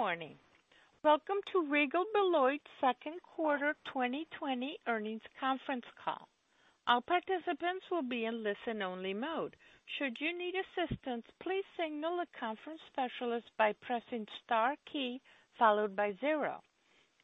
Good morning. Welcome to Regal Beloit's second quarter 2020 earnings conference call. All participants will be in listen only mode. Should you need assistance, please signal a conference specialist by pressing star key followed by zero.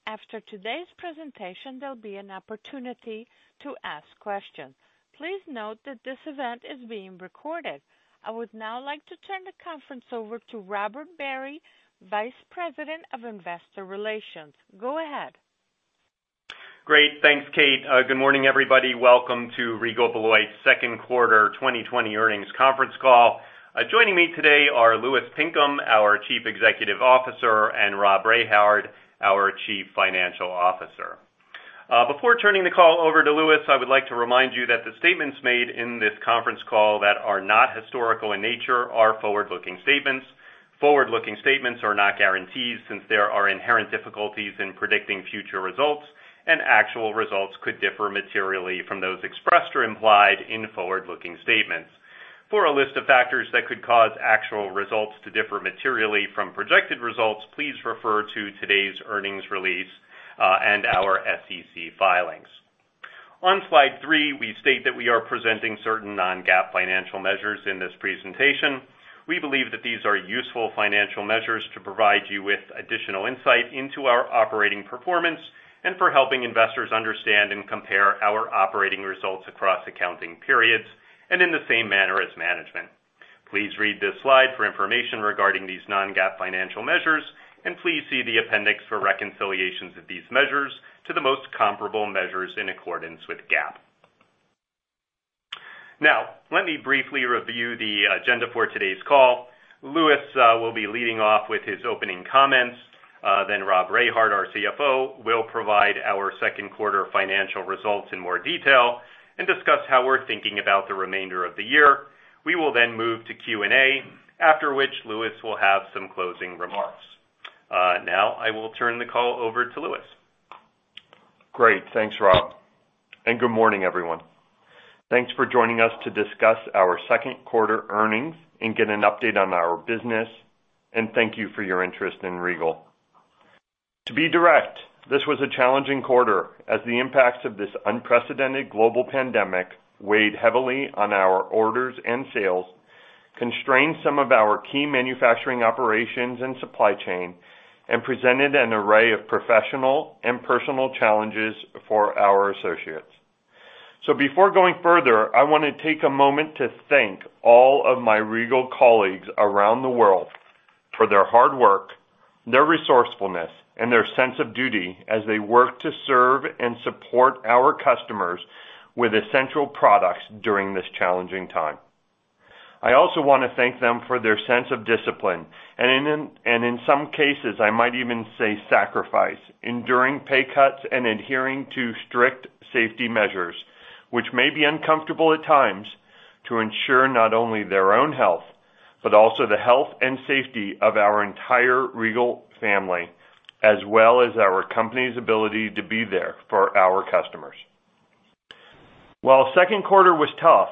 After today's presentation, there'll be an opportunity to ask questions. Please note that this event is being recorded. I would now like to turn the conference over to Robert Barry, Vice President of Investor Relations. Go ahead. Great. Thanks, Kate. Good morning, everybody. Welcome to Regal Beloit's second quarter 2020 earnings conference call. Joining me today are Louis Pinkham, our Chief Executive Officer, and Rob Rehard, our Chief Financial Officer. Before turning the call over to Louis, I would like to remind you that the statements made in this conference call that are not historical in nature are forward-looking statements. Forward-looking statements are not guarantees, since there are inherent difficulties in predicting future results, and actual results could differ materially from those expressed or implied in forward-looking statements. For a list of factors that could cause actual results to differ materially from projected results, please refer to today's earnings release, and our SEC filings. On slide three, we state that we are presenting certain non-GAAP financial measures in this presentation. We believe that these are useful financial measures to provide you with additional insight into our operating performance and for helping investors understand and compare our operating results across accounting periods and in the same manner as management. Please read this slide for information regarding these non-GAAP financial measures, and please see the appendix for reconciliations of these measures to the most comparable measures in accordance with GAAP. Let me briefly review the agenda for today's call. Louis will be leading off with his opening comments. Rob Rehard, our CFO, will provide our second quarter financial results in more detail and discuss how we're thinking about the remainder of the year. We will move to Q&A, after which Louis will have some closing remarks. I will turn the call over to Louis. Great. Thanks, Rob. Good morning, everyone. Thanks for joining us to discuss our second quarter earnings and get an update on our business. Thank you for your interest in Regal. To be direct, this was a challenging quarter as the impacts of this unprecedented global pandemic weighed heavily on our orders and sales, constrained some of our key manufacturing operations and supply chain, and presented an array of professional and personal challenges for our associates. Before going further, I want to take a moment to thank all of my Regal colleagues around the world for their hard work, their resourcefulness, and their sense of duty as they work to serve and support our customers with essential products during this challenging time. I also want to thank them for their sense of discipline, and in some cases, I might even say sacrifice, enduring pay cuts and adhering to strict safety measures, which may be uncomfortable at times, to ensure not only their own health, but also the health and safety of our entire Regal family, as well as our company's ability to be there for our customers. While second quarter was tough,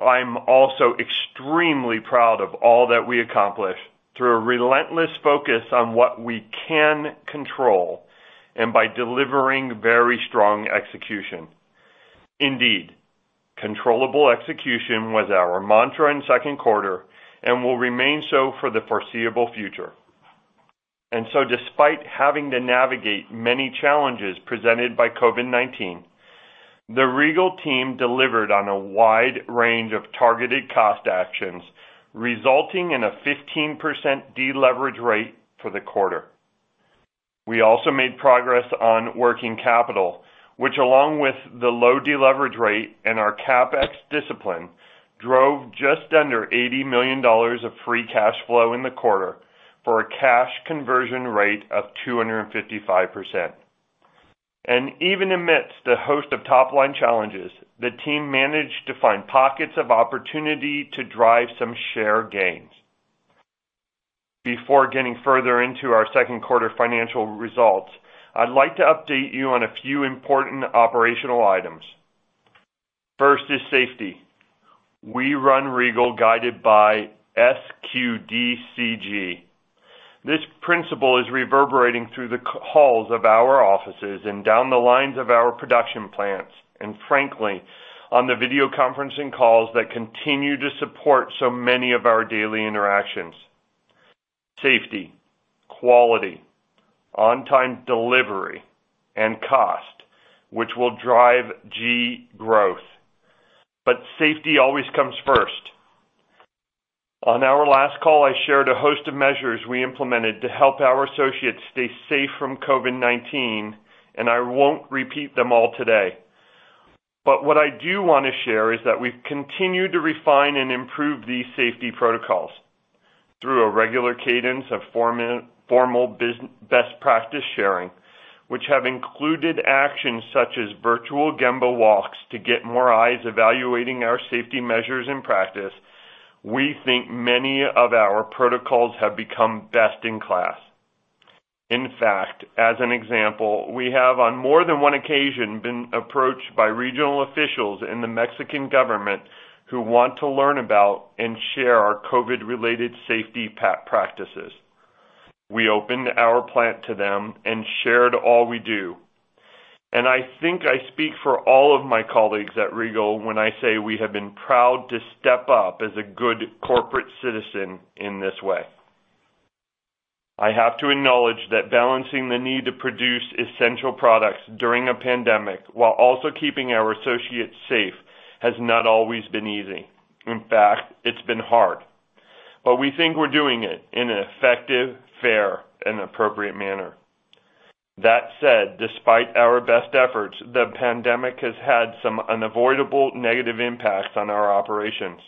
I'm also extremely proud of all that we accomplished through a relentless focus on what we can control and by delivering very strong execution. Indeed, controllable execution was our mantra in second quarter and will remain so for the foreseeable future. Despite having to navigate many challenges presented by COVID-19, the Regal team delivered on a wide range of targeted cost actions, resulting in a 15% deleverage rate for the quarter. We also made progress on working capital, which, along with the low deleverage rate and our CapEx discipline, drove just under $80 million of free cash flow in the quarter for a cash conversion rate of 255%. Even amidst the host of top-line challenges, the team managed to find pockets of opportunity to drive some share gains. Before getting further into our second quarter financial results, I'd like to update you on a few important operational items. First is safety. We run Regal guided by SQDCG. This principle is reverberating through the halls of our offices and down the lines of our production plants, and frankly, on the video conferencing calls that continue to support so many of our daily interactions. Safety, quality, on-time delivery, and cost, which will drive G, growth. Safety always comes first. On our last call, I shared a host of measures we implemented to help our associates stay safe from COVID-19. I won't repeat them all today. What I do want to share is that we've continued to refine and improve these safety protocols through a regular cadence of formal best practice sharing, which have included actions such as virtual Gemba walks to get more eyes evaluating our safety measures in practice. We think many of our protocols have become best in class. In fact, as an example, we have on more than one occasion been approached by regional officials in the Mexican government who want to learn about and share our COVID-related safety practices. We opened our plant to them and shared all we do, and I think I speak for all of my colleagues at Regal when I say we have been proud to step up as a good corporate citizen in this way. I have to acknowledge that balancing the need to produce essential products during a pandemic while also keeping our associates safe has not always been easy. In fact, it's been hard, but we think we're doing it in an effective, fair, and appropriate manner. That said, despite our best efforts, the pandemic has had some unavoidable negative impacts on our operations.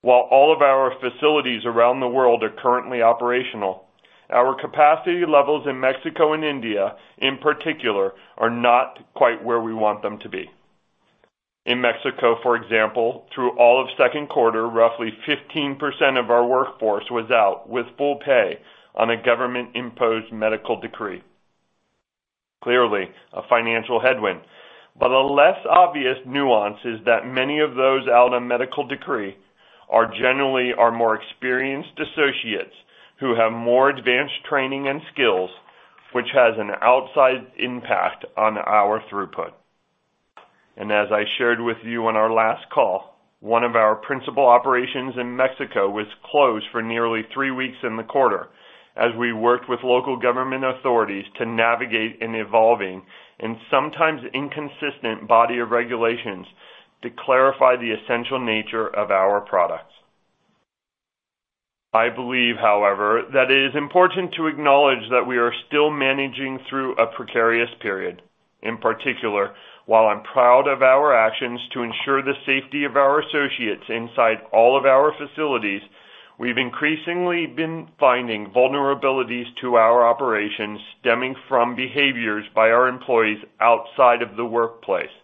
While all of our facilities around the world are currently operational, our capacity levels in Mexico and India, in particular, are not quite where we want them to be. In Mexico, for example, through all of second quarter, roughly 15% of our workforce was out with full pay on a government-imposed medical decree. Clearly, a financial headwind, but a less obvious nuance is that many of those out on medical decree are generally our more experienced associates who have more advanced training and skills, which has an outsized impact on our throughput. As I shared with you on our last call, one of our principal operations in Mexico was closed for nearly three weeks in the quarter as we worked with local government authorities to navigate an evolving and sometimes inconsistent body of regulations to clarify the essential nature of our products. I believe, however, that it is important to acknowledge that we are still managing through a precarious period. In particular, while I am proud of our actions to ensure the safety of our associates inside all of our facilities, we have increasingly been finding vulnerabilities to our operations stemming from behaviors by our employees outside of the workplace.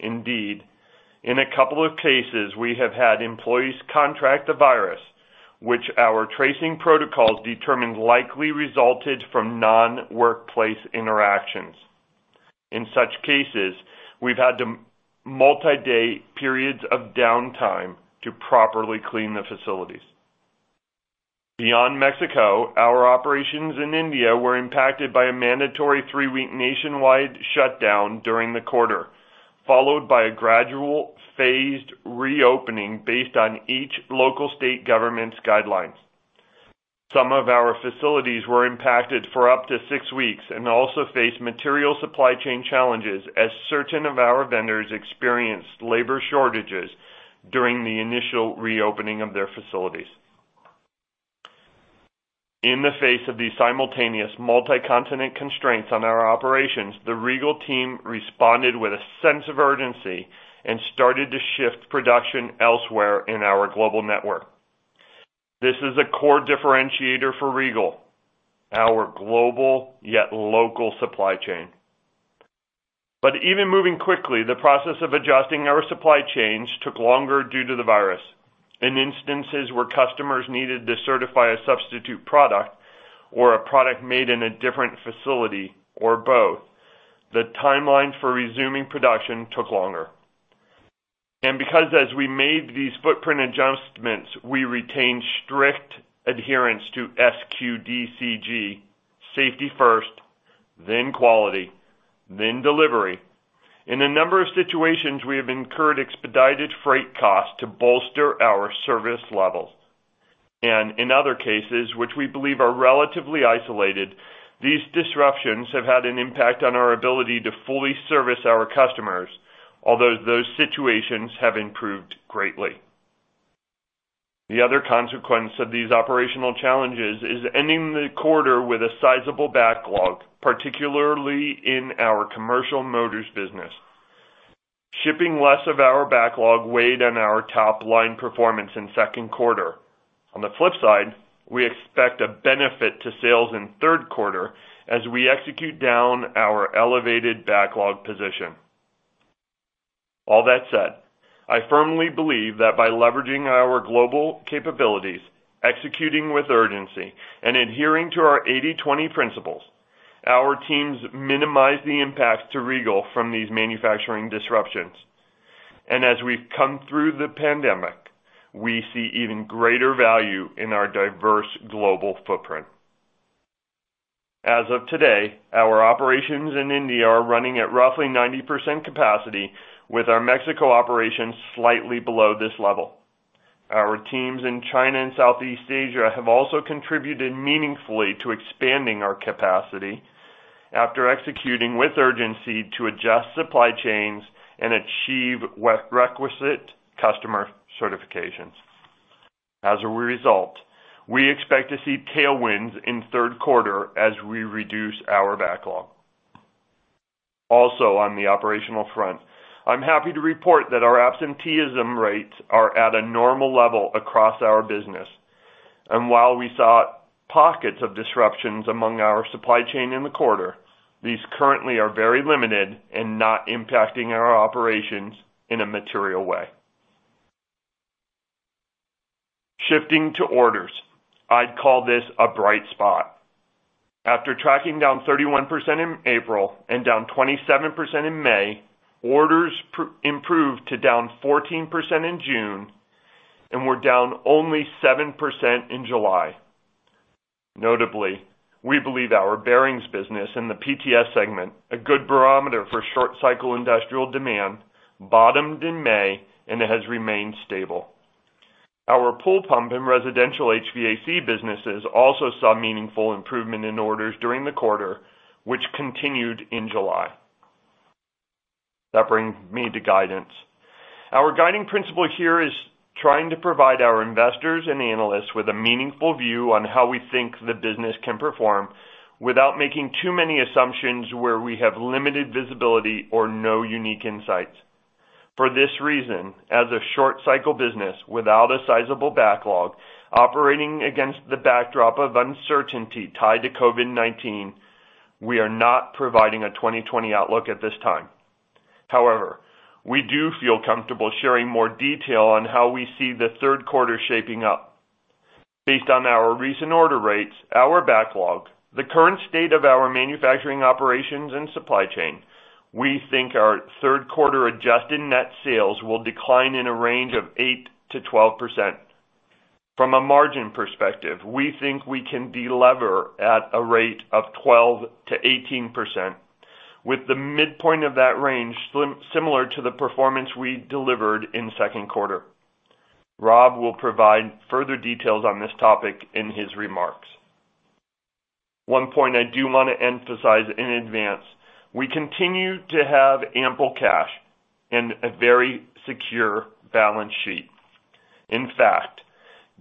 Indeed, in a couple of cases, we have had employees contract the virus, which our tracing protocols determined likely resulted from non-workplace interactions. In such cases, we have had multi-day periods of downtime to properly clean the facilities. Beyond Mexico, our operations in India were impacted by a mandatory three-week nationwide shutdown during the quarter, followed by a gradual phased reopening based on each local state government's guidelines. Some of our facilities were impacted for up to six weeks and also faced material supply chain challenges as certain of our vendors experienced labor shortages during the initial reopening of their facilities. In the face of these simultaneous multi-continent constraints on our operations, the Regal team responded with a sense of urgency and started to shift production elsewhere in our global network. This is a core differentiator for Regal, our global yet local supply chain. Even moving quickly, the process of adjusting our supply chains took longer due to the virus. In instances where customers needed to certify a substitute product or a product made in a different facility or both, the timeline for resuming production took longer. Because as we made these footprint adjustments, we retained strict adherence to SQDCG, safety first, then quality, then delivery. In a number of situations, we have incurred expedited freight costs to bolster our service levels. In other cases, which we believe are relatively isolated, these disruptions have had an impact on our ability to fully service our customers, although those situations have improved greatly. The other consequence of these operational challenges is ending the quarter with a sizable backlog, particularly in our commercial motors business. Shipping less of our backlog weighed on our top-line performance in second quarter. On the flip side, we expect a benefit to sales in third quarter as we execute down our elevated backlog position. All that said, I firmly believe that by leveraging our global capabilities, executing with urgency, and adhering to our 80/20 principle, our teams minimized the impact to Regal from these manufacturing disruptions. As we've come through the pandemic, we see even greater value in our diverse global footprint. As of today, our operations in India are running at roughly 90% capacity, with our Mexico operations slightly below this level. Our teams in China and Southeast Asia have also contributed meaningfully to expanding our capacity after executing with urgency to adjust supply chains and achieve requisite customer certifications. As a result, we expect to see tailwinds in the third quarter as we reduce our backlog. Also, on the operational front, I'm happy to report that our absenteeism rates are at a normal level across our business. While we saw pockets of disruptions among our supply chain in the quarter, these currently are very limited and not impacting our operations in a material way. Shifting to orders. I'd call this a bright spot. After tracking down 31% in April and down 27% in May, orders improved to down 14% in June and were down only 7% in July. Notably, we believe our bearings business in the PTS segment, a good barometer for short cycle industrial demand, bottomed in May, and it has remained stable. Our pool pump and residential HVAC businesses also saw meaningful improvement in orders during the quarter, which continued in July. That brings me to guidance. Our guiding principle here is trying to provide our investors and analysts with a meaningful view on how we think the business can perform without making too many assumptions where we have limited visibility or no unique insights. For this reason, as a short cycle business without a sizable backlog, operating against the backdrop of uncertainty tied to COVID-19, we are not providing a 2020 outlook at this time. However, we do feel comfortable sharing more detail on how we see the third quarter shaping up. Based on our recent order rates, our backlog, the current state of our manufacturing operations and supply chain, we think our third quarter adjusted net sales will decline in a range of 8%-12%. From a margin perspective, we think we can delever at a rate of 12%-18%, with the midpoint of that range similar to the performance we delivered in the second quarter. Rob will provide further details on this topic in his remarks. One point I do want to emphasize in advance, we continue to have ample cash and a very secure balance sheet.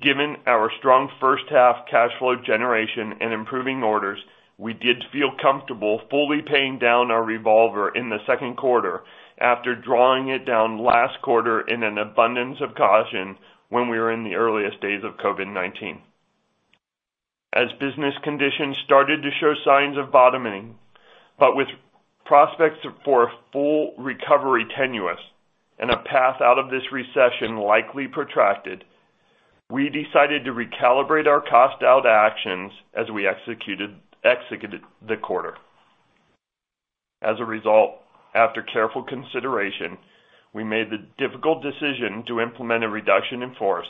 Given our strong first half cash flow generation and improving orders, we did feel comfortable fully paying down our revolver in the second quarter after drawing it down last quarter in an abundance of caution when we were in the earliest days of COVID-19. As business conditions started to show signs of bottoming, but with prospects for a full recovery tenuous and a path out of this recession likely protracted, we decided to recalibrate our cost-out actions as we executed the quarter. As a result, after careful consideration, we made the difficult decision to implement a reduction in force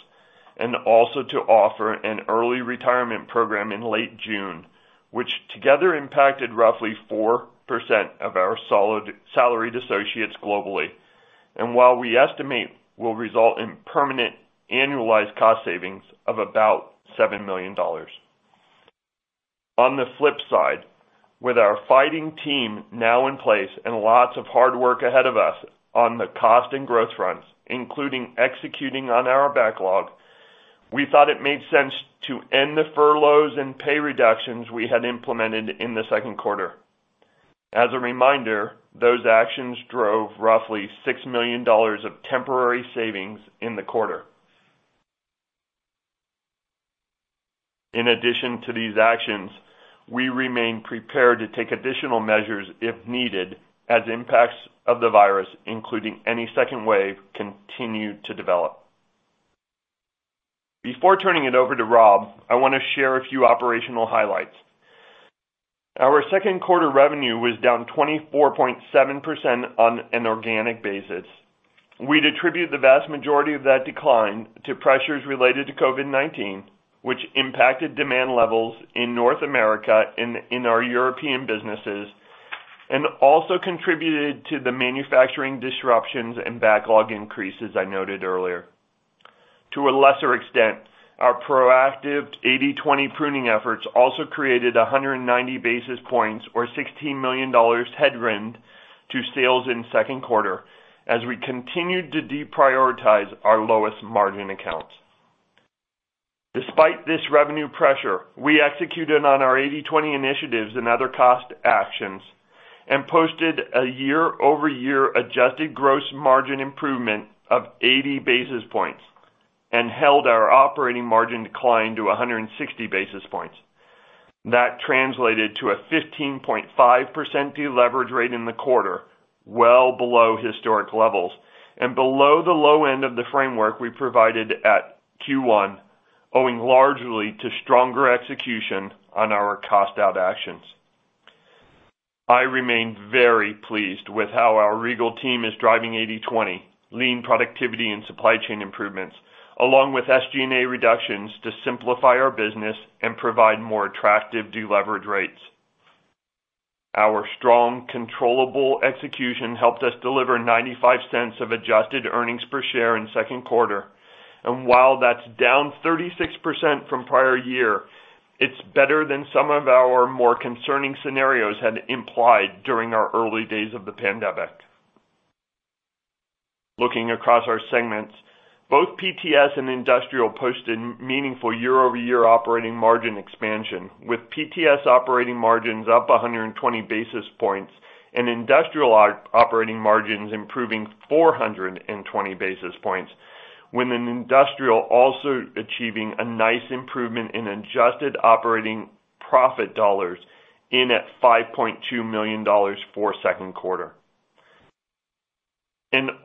and also to offer an early retirement program in late June, which together impacted roughly 4% of our salaried associates globally, and while we estimate will result in permanent annualized cost savings of about $7 million. On the flip side, with our fighting team now in place and lots of hard work ahead of us on the cost and growth fronts, including executing on our backlog, we thought it made sense to end the furloughs and pay reductions we had implemented in the second quarter. As a reminder, those actions drove roughly $6 million of temporary savings in the quarter. In addition to these actions, we remain prepared to take additional measures if needed, as impacts of the virus, including any second wave, continue to develop. Before turning it over to Rob, I want to share a few operational highlights. Our second quarter revenue was down 24.7% on an organic basis. We'd attribute the vast majority of that decline to pressures related to COVID-19, which impacted demand levels in North America in our European businesses, and also contributed to the manufacturing disruptions and backlog increases I noted earlier. To a lesser extent, our proactive 80/20 pruning efforts also created 190 basis points or $16 million headwind to sales in the second quarter, as we continued to deprioritize our lowest margin accounts. Despite this revenue pressure, we executed on our 80/20 initiatives and other cost actions and posted a year-over-year adjusted gross margin improvement of 80 basis points and held our operating margin decline to 160 basis points. That translated to a 15.5% deleverage rate in the quarter, well below historic levels, and below the low end of the framework we provided at Q1, owing largely to stronger execution on our cost-out actions. I remain very pleased with how our Regal team is driving 80/20, lean productivity and supply chain improvements, along with SG&A reductions to simplify our business and provide more attractive deleverage rates. Our strong, controllable execution helped us deliver $0.95 of adjusted earnings per share in the second quarter. While that's down 36% from prior year, it's better than some of our more concerning scenarios had implied during our early days of the pandemic. Looking across our segments, both PTS and Industrial posted meaningful year-over-year operating margin expansion, with PTS operating margins up 120 basis points and Industrial operating margins improving 420 basis points, with Industrial also achieving a nice improvement in adjusted operating profit dollars in at $5.2 million for the second quarter.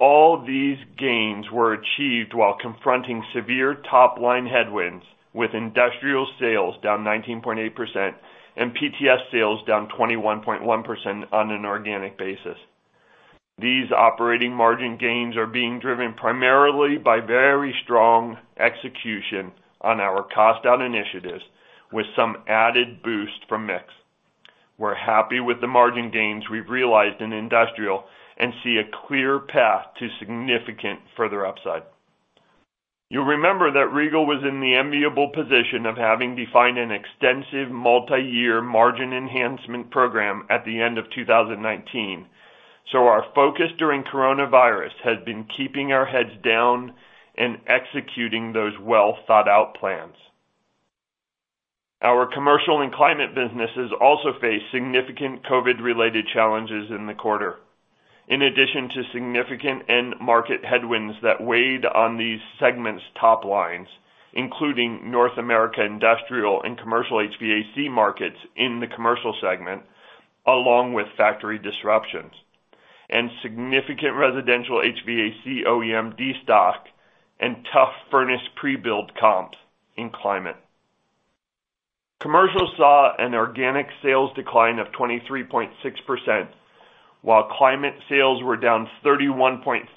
All these gains were achieved while confronting severe top-line headwinds, with Industrial sales down 19.8% and PTS sales down 21.1% on an organic basis. These operating margin gains are being driven primarily by very strong execution on our cost-down initiatives, with some added boost from mix. We're happy with the margin gains we've realized in Industrial and see a clear path to significant further upside. You'll remember that Regal was in the enviable position of having defined an extensive multi-year margin enhancement program at the end of 2019. Our focus during coronavirus has been keeping our heads down and executing those well-thought-out plans. Our commercial and climate businesses also faced significant COVID-related challenges in the quarter. In addition to significant end market headwinds that weighed on these segments' top lines, including North America industrial and commercial HVAC markets in the commercial segment, along with factory disruptions and significant residential HVAC OEM destock and tough furnace pre-build comps in climate. Commercial saw an organic sales decline of 23.6%, while climate sales were down 31.4%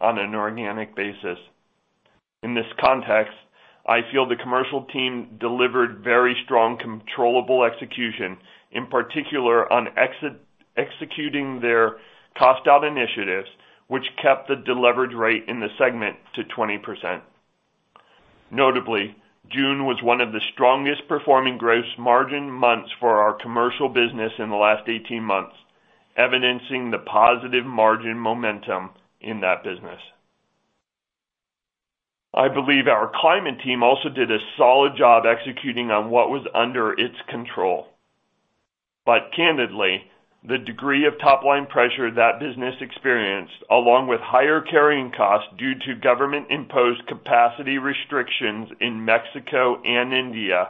on an organic basis. In this context, I feel the commercial team delivered very strong controllable execution, in particular on executing their cost-down initiatives, which kept the deleverage rate in the segment to 20%. Notably, June was one of the strongest performing gross margin months for our commercial business in the last 18 months, evidencing the positive margin momentum in that business. I believe our climate team also did a solid job executing on what was under its control. Candidly, the degree of top-line pressure that business experienced, along with higher carrying costs due to government-imposed capacity restrictions in Mexico and India,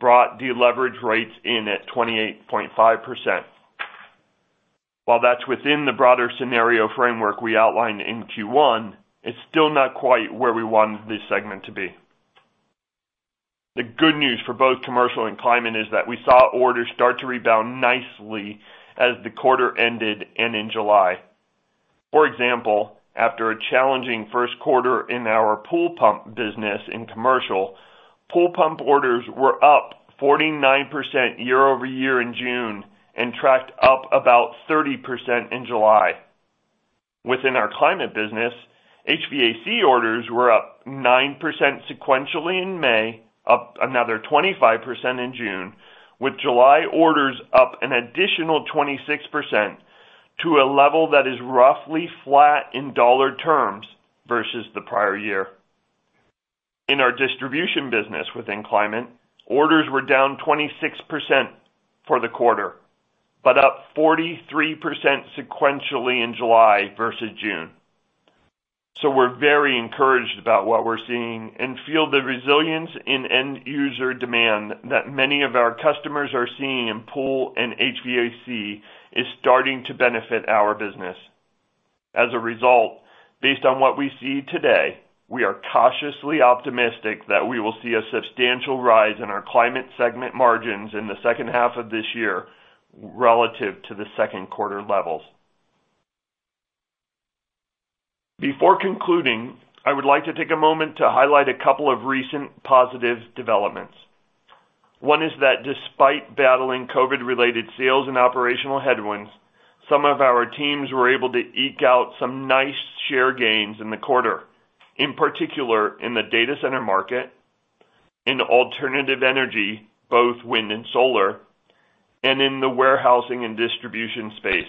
brought deleverage rates in at 28.5%. While that's within the broader scenario framework we outlined in Q1, it's still not quite where we wanted this segment to be. The good news for both commercial and climate is that we saw orders start to rebound nicely as the quarter ended and in July. For example, after a challenging first quarter in our pool pump business in commercial, pool pump orders were up 49% year-over-year in June and tracked up about 30% in July. Within our climate business, HVAC orders were up 9% sequentially in May, up another 25% in June, with July orders up an additional 26% to a level that is roughly flat in dollar terms versus the prior year. In our distribution business within climate, orders were down 26% for the quarter, but up 43% sequentially in July versus June. We're very encouraged about what we're seeing and feel the resilience in end user demand that many of our customers are seeing in pool and HVAC is starting to benefit our business. As a result, based on what we see today, we are cautiously optimistic that we will see a substantial rise in our climate segment margins in the second half of this year relative to the second quarter levels. Before concluding, I would like to take a moment to highlight a couple of recent positive developments. One is that despite battling COVID-related sales and operational headwinds, some of our teams were able to eke out some nice share gains in the quarter. In particular, in the data center market, in alternative energy, both wind and solar, and in the warehousing and distribution space.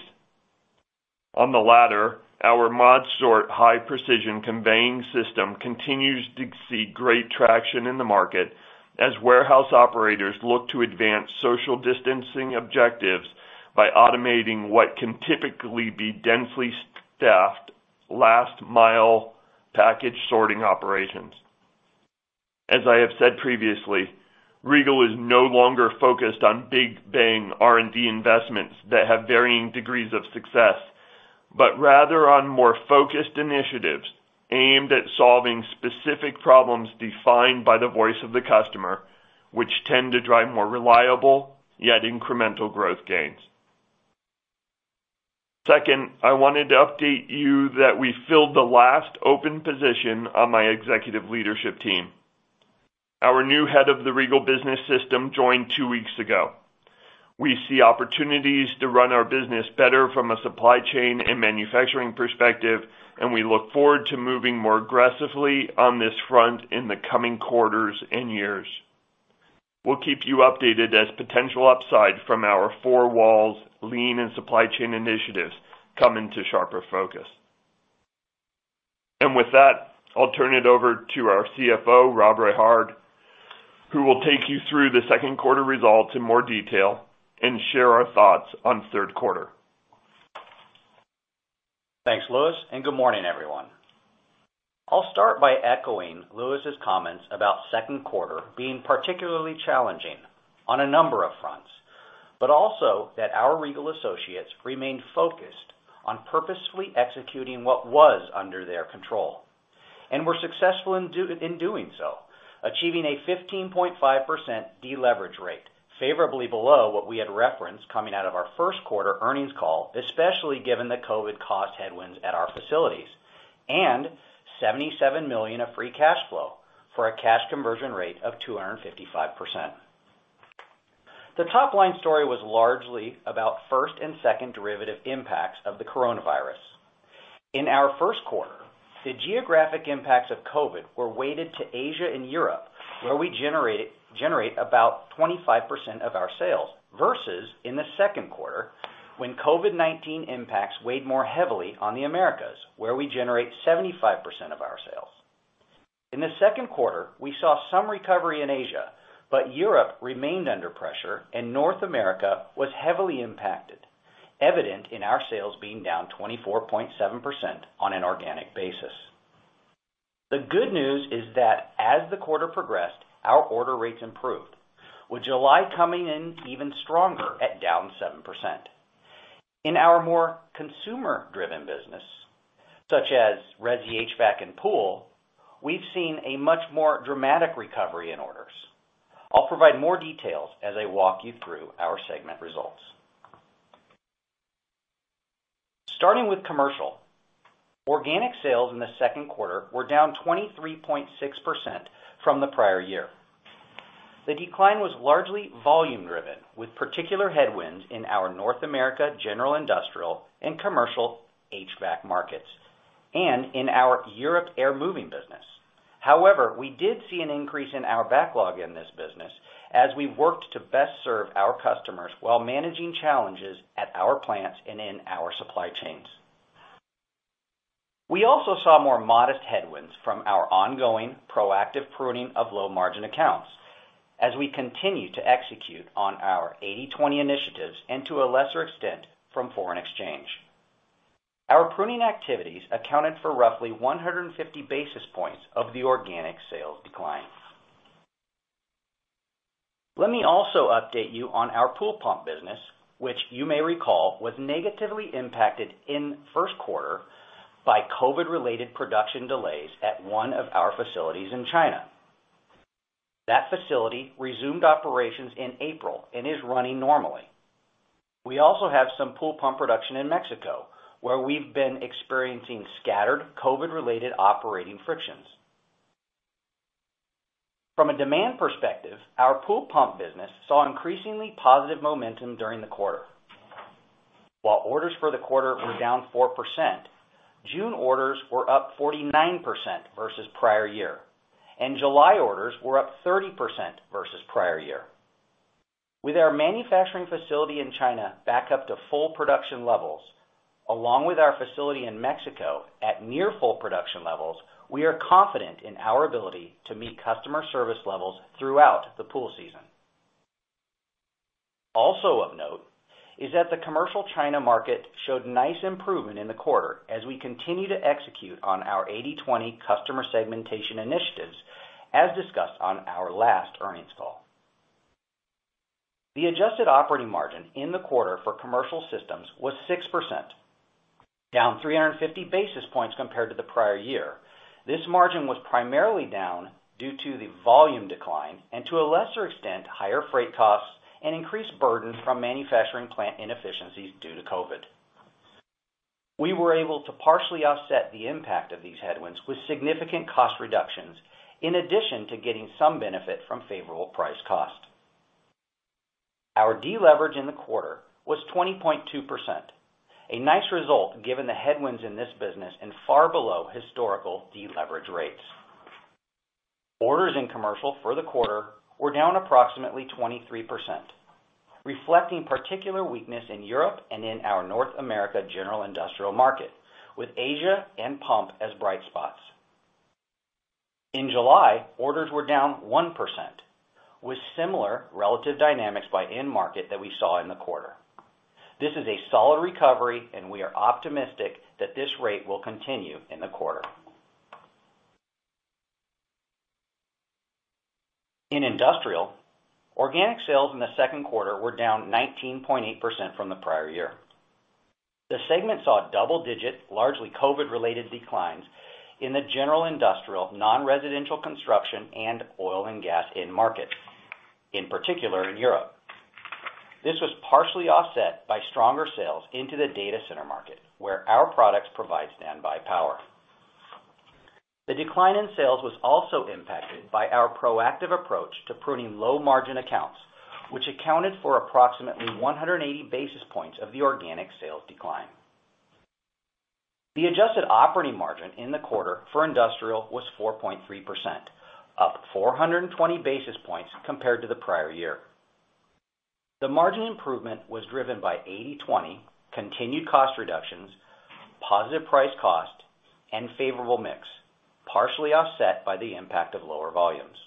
On the latter, our ModSort high-precision conveying system continues to see great traction in the market as warehouse operators look to advance social distancing objectives by automating what can typically be densely staffed last-mile package sorting operations. As I have said previously, Regal is no longer focused on big bang R&D investments that have varying degrees of success, but rather on more focused initiatives aimed at solving specific problems defined by the voice of the customer, which tend to drive more reliable, yet incremental growth gains. Second, I wanted to update you that we filled the last open position on my executive leadership team. Our new head of the Regal Business System joined two weeks ago. We see opportunities to run our business better from a supply chain and manufacturing perspective, and we look forward to moving more aggressively on this front in the coming quarters and years. We'll keep you updated as potential upside from our four walls lean and supply chain initiatives come into sharper focus. With that, I'll turn it over to our CFO, Rob Rehard, who will take you through the second quarter results in more detail and share our thoughts on third quarter. Thanks, Louis, and good morning, everyone. I'll start by echoing Louis's comments about second quarter being particularly challenging on a number of fronts, but also that our Regal associates remained focused on purposefully executing what was under their control, and were successful in doing so, achieving a 15.5% de-leverage rate favorably below what we had referenced coming out of our first quarter earnings call, especially given the COVID cost headwinds at our facilities, and $77 million of free cash flow for a cash conversion rate of 255%. The top-line story was largely about first and second derivative impacts of the coronavirus. In our first quarter, the geographic impacts of COVID were weighted to Asia and Europe, where we generate about 25% of our sales, versus in the second quarter, when COVID-19 impacts weighed more heavily on the Americas, where we generate 75% of our sales. In the second quarter, we saw some recovery in Asia, but Europe remained under pressure, and North America was heavily impacted, evident in our sales being down 24.7% on an organic basis. The good news is that as the quarter progressed, our order rates improved, with July coming in even stronger at down 7%. In our more consumer-driven business, such as resi, HVAC, and pool, we've seen a much more dramatic recovery in orders. I'll provide more details as I walk you through our segment results. Starting with Commercial. Organic sales in the second quarter were down 23.6% from the prior year. The decline was largely volume-driven, with particular headwinds in our North America General Industrial and Commercial HVAC markets, and in our Europe Air Moving business. However, we did see an increase in our backlog in this business as we worked to best serve our customers while managing challenges at our plants and in our supply chains. We also saw more modest headwinds from our ongoing proactive pruning of low-margin accounts as we continue to execute on our 80/20 initiatives and to a lesser extent, from foreign exchange. Our pruning activities accounted for roughly 150 basis points of the organic sales decline. Let me also update you on our pool pump business, which you may recall was negatively impacted in the first quarter by COVID-related production delays at one of our facilities in China. That facility resumed operations in April and is running normally. We also have some pool pump production in Mexico, where we've been experiencing scattered COVID-related operating frictions. From a demand perspective, our pool pump business saw increasingly positive momentum during the quarter. While orders for the quarter were down 4%, June orders were up 49% versus the prior year, and July orders were up 30% versus the prior year. With our manufacturing facility in China back up to full production levels, along with our facility in Mexico at near full production levels, we are confident in our ability to meet customer service levels throughout the pool season. Also of note is that the commercial China market showed nice improvement in the quarter as we continue to execute on our 80/20 customer segmentation initiatives, as discussed on our last earnings call. The adjusted operating margin in the quarter for commercial systems was 6%, down 350 basis points compared to the prior year. This margin was primarily down due to the volume decline, and to a lesser extent, higher freight costs and increased burdens from manufacturing plant inefficiencies due to COVID-19. We were able to partially offset the impact of these headwinds with significant cost reductions, in addition to getting some benefit from favorable price cost. Our de-leverage in the quarter was 20.2%, a nice result given the headwinds in this business and far below historical de-leverage rates. Orders in commercial for the quarter were down approximately 23%, reflecting particular weakness in Europe and in our North America general industrial market, with Asia and pump as bright spots. In July, orders were down 1%, with similar relative dynamics by end market that we saw in the quarter. This is a solid recovery, and we are optimistic that this rate will continue in the quarter. In industrial, organic sales in the second quarter were down 19.8% from the prior year. The segment saw double-digit, largely COVID-related declines in the general industrial, non-residential construction, and oil and gas end market, in particular in Europe. This was partially offset by stronger sales into the data center market, where our products provide standby power. The decline in sales was also impacted by our proactive approach to pruning low-margin accounts, which accounted for approximately 180 basis points of the organic sales decline. The adjusted operating margin in the quarter for industrial was 4.3%, up 420 basis points compared to the prior year. The margin improvement was driven by 80/20, continued cost reductions, positive price cost, and favorable mix, partially offset by the impact of lower volumes.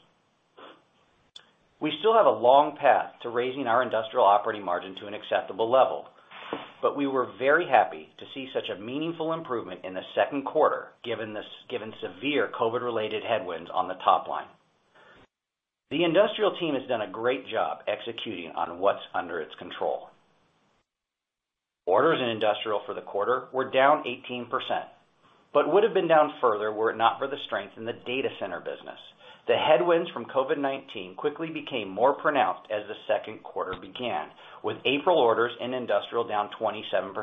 We still have a long path to raising our industrial operating margin to an acceptable level, but we were very happy to see such a meaningful improvement in the second quarter given severe COVID-related headwinds on the top line. The industrial team has done a great job executing on what's under its control. Orders in industrial for the quarter were down 18%, but would've been down further were it not for the strength in the data center business. The headwinds from COVID-19 quickly became more pronounced as the second quarter began, with April orders in industrial down 27%.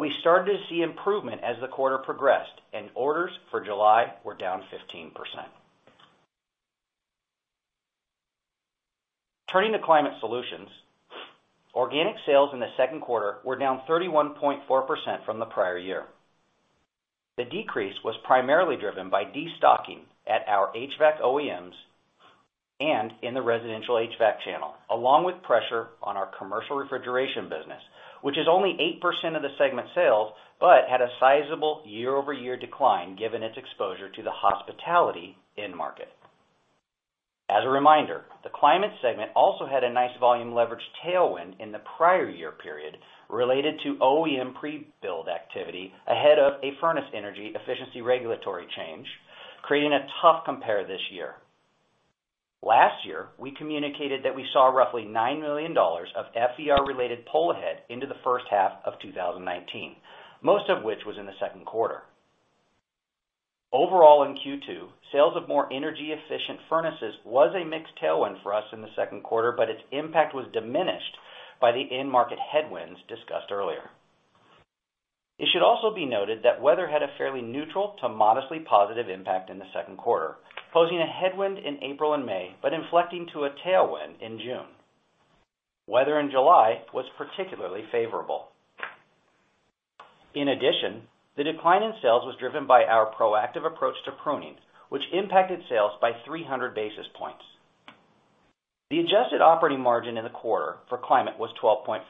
We started to see improvement as the quarter progressed, and orders for July were down 15%. Turning to climate solutions, organic sales in the second quarter were down 31.4% from the prior year. The decrease was primarily driven by destocking at our HVAC OEMs and in the residential HVAC channel, along with pressure on our commercial refrigeration business, which is only 8% of the segment's sales, but had a sizable year-over-year decline given its exposure to the hospitality end market. As a reminder, the climate segment also had a nice volume leverage tailwind in the prior year period related to OEM pre-build activity ahead of a furnace energy efficiency regulatory change, creating a tough compare this year. Last year, we communicated that we saw roughly $9 million of FER-related pull ahead into the first half of 2019, most of which was in the second quarter. Overall, in Q2, sales of more energy-efficient furnaces was a mixed tailwind for us in the second quarter, but its impact was diminished by the end market headwinds discussed earlier. It should also be noted that weather had a fairly neutral to modestly positive impact in the second quarter, posing a headwind in April and May, but inflecting to a tailwind in June. Weather in July was particularly favorable. In addition, the decline in sales was driven by our proactive approach to pruning, which impacted sales by 300 basis points. The adjusted operating margin in the quarter for Climate was 12.4%,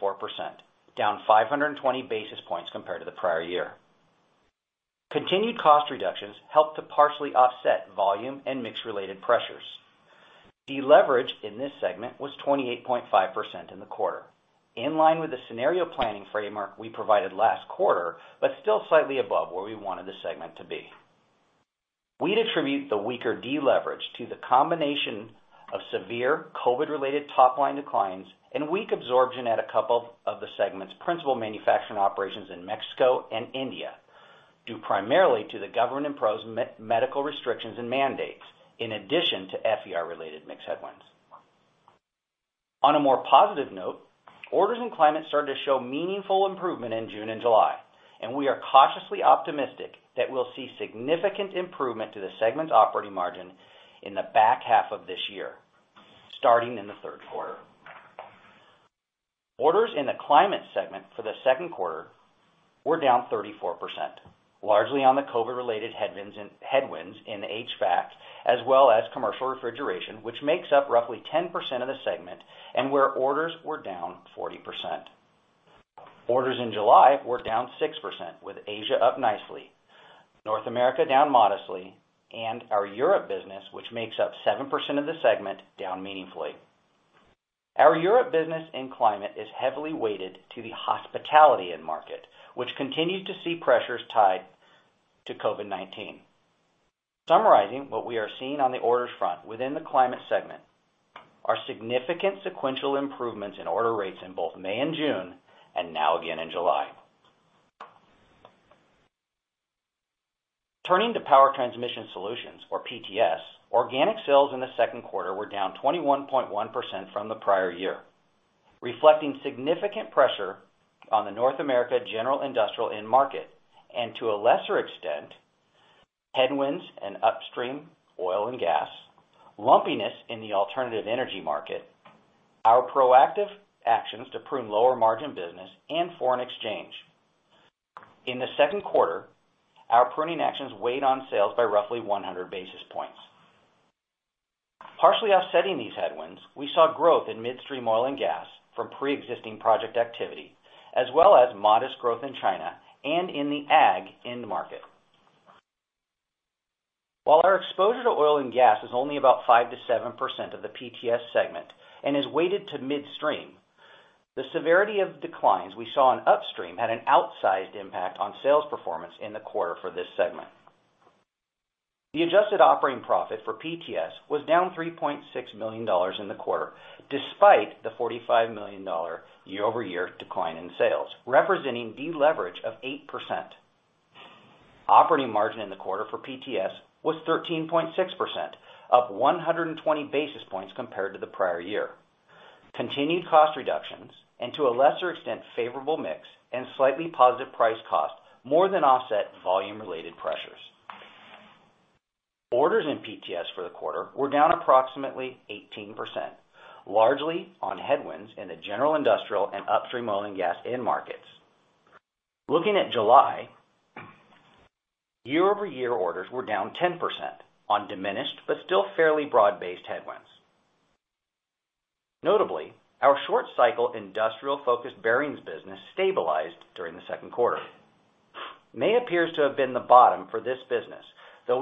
down 520 basis points compared to the prior year. Continued cost reductions helped to partially offset volume and mix-related pressures. Deleverage in this segment was 28.5% in the quarter, in line with the scenario planning framework we provided last quarter, but still slightly above where we wanted the segment to be. We'd attribute the weaker deleverage to the combination of severe COVID-related top-line declines and weak absorption at a couple of the segment's principal manufacturing operations in Mexico and India, due primarily to the government-imposed medical restrictions and mandates, in addition to FER-related mix headwinds. On a more positive note, orders in climate started to show meaningful improvement in June and July, and we are cautiously optimistic that we'll see significant improvement to the segment's operating margin in the back half of this year, starting in the third quarter. Orders in the climate segment for the second quarter were down 34%, largely on the COVID-related headwinds in HVAC, as well as commercial refrigeration, which makes up roughly 10% of the segment and where orders were down 40%. Orders in July were down 6%, with Asia up nicely, North America down modestly, and our Europe business, which makes up 7% of the segment, down meaningfully. Our Europe business in climate is heavily weighted to the hospitality end market, which continues to see pressures tied to COVID-19. Summarizing what we are seeing on the orders front within the climate segment are significant sequential improvements in order rates in both May and June, and now again in July. Turning to Power Transmission Solutions, or PTS, organic sales in the second quarter were down 21.1% from the prior year, reflecting significant pressure on the North America general industrial end market, and to a lesser extent, headwinds in upstream oil and gas, lumpiness in the alternative energy market, our proactive actions to prune lower-margin business, and foreign exchange. In the second quarter, our pruning actions weighed on sales by roughly 100 basis points. Partially offsetting these headwinds, we saw growth in midstream oil and gas from preexisting project activity, as well as modest growth in China and in the ag end market. While our exposure to oil and gas is only about 5%-7% of the PTS segment and is weighted to midstream, the severity of declines we saw in upstream had an outsized impact on sales performance in the quarter for this segment. The adjusted operating profit for PTS was down $3.6 million in the quarter, despite the $45 million year-over-year decline in sales, representing deleverage of 8%. Operating margin in the quarter for PTS was 13.6%, up 120 basis points compared to the prior year. Continued cost reductions, and to a lesser extent, favorable mix and slightly positive price cost, more than offset volume-related pressures. Orders in PTS for the quarter were down approximately 18%, largely on headwinds in the general industrial and upstream oil and gas end markets. Looking at July, year-over-year orders were down 10% on diminished but still fairly broad-based headwinds. Notably, our short cycle industrial-focused bearings business stabilized during the second quarter. May appears to have been the bottom for this business, though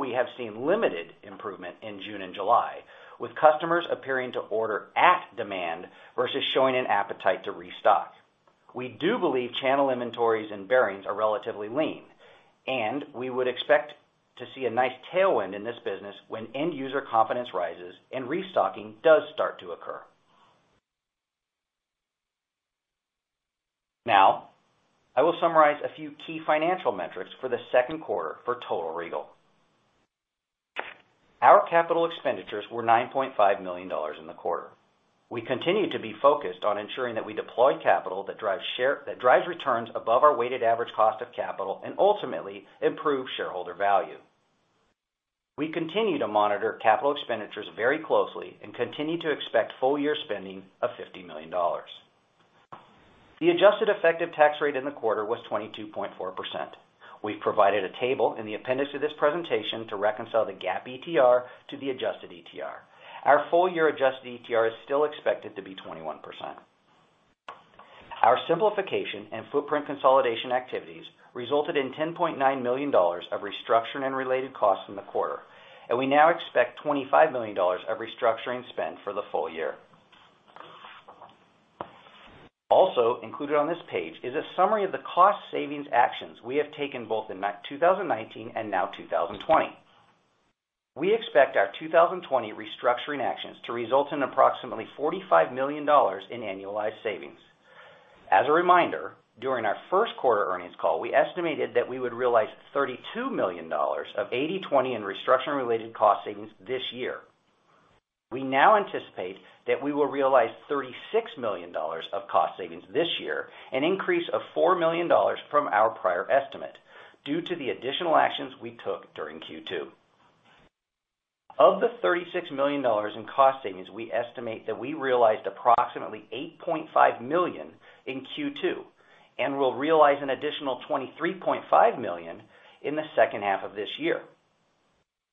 we have seen limited improvement in June and July, with customers appearing to order at demand versus showing an appetite to restock. We do believe channel inventories and bearings are relatively lean, and we would expect to see a nice tailwind in this business when end-user confidence rises and restocking does start to occur. Now, I will summarize a few key financial metrics for the second quarter for total Regal. Our capital expenditures were $9.5 million in the quarter. We continue to be focused on ensuring that we deploy capital that drives returns above our weighted average cost of capital and ultimately improves shareholder value. We continue to monitor capital expenditures very closely and continue to expect full-year spending of $50 million. The adjusted effective tax rate in the quarter was 22.4%. We've provided a table in the appendix of this presentation to reconcile the GAAP ETR to the adjusted ETR. Our full-year adjusted ETR is still expected to be 21%. Our simplification and footprint consolidation activities resulted in $10.9 million of restructuring and related costs in the quarter, and we now expect $25 million of restructuring spend for the full year. Also included on this page is a summary of the cost savings actions we have taken both in 2019 and now 2020. We expect our 2020 restructuring actions to result in approximately $45 million in annualized savings. As a reminder, during our first quarter earnings call, we estimated that we would realize $32 million of 80/20 in restructuring-related cost savings this year. We now anticipate that we will realize $36 million of cost savings this year, an increase of $4 million from our prior estimate due to the additional actions we took during Q2. Of the $36 million in cost savings, we estimate that we realized approximately $8.5 million in Q2 and will realize an additional $23.5 million in the second half of this year.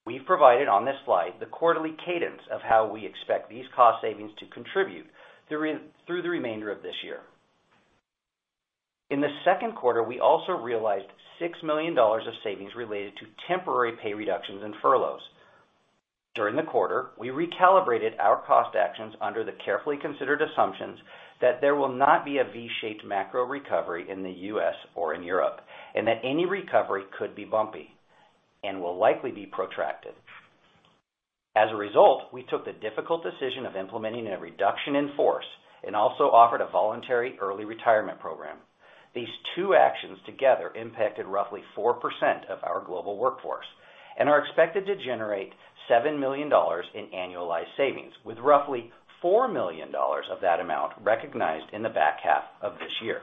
We've provided on this slide the quarterly cadence of how we expect these cost savings to contribute through the remainder of this year. In the second quarter, we also realized $6 million of savings related to temporary pay reductions and furloughs. During the quarter, we recalibrated our cost actions under the carefully considered assumptions that there will not be a V-shaped macro recovery in the U.S. or in Europe, and that any recovery could be bumpy and will likely be protracted. As a result, we took the difficult decision of implementing a reduction in force and also offered a voluntary early retirement program. These two actions together impacted roughly 4% of our global workforce and are expected to generate $7 million in annualized savings, with roughly $4 million of that amount recognized in the back half of this year.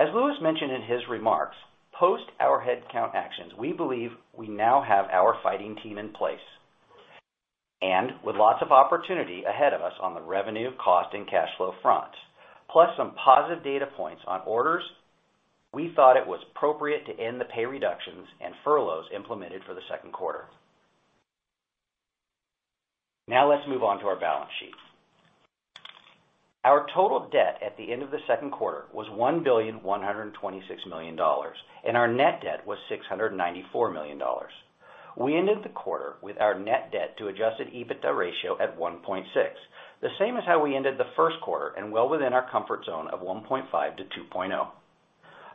As Louis mentioned in his remarks, post our headcount actions, we believe we now have our fighting team in place and with lots of opportunity ahead of us on the revenue, cost, and cash flow fronts, plus some positive data points on orders. We thought it was appropriate to end the pay reductions and furloughs implemented for the second quarter. Now let's move on to our balance sheet. Our total debt at the end of the second quarter was $1,126,000,000, and our net debt was $694 million. We ended the quarter with our net debt to adjusted EBITDA ratio at 1.6%, the same as how we ended the first quarter and well within our comfort zone of 1.5% to 2.0%.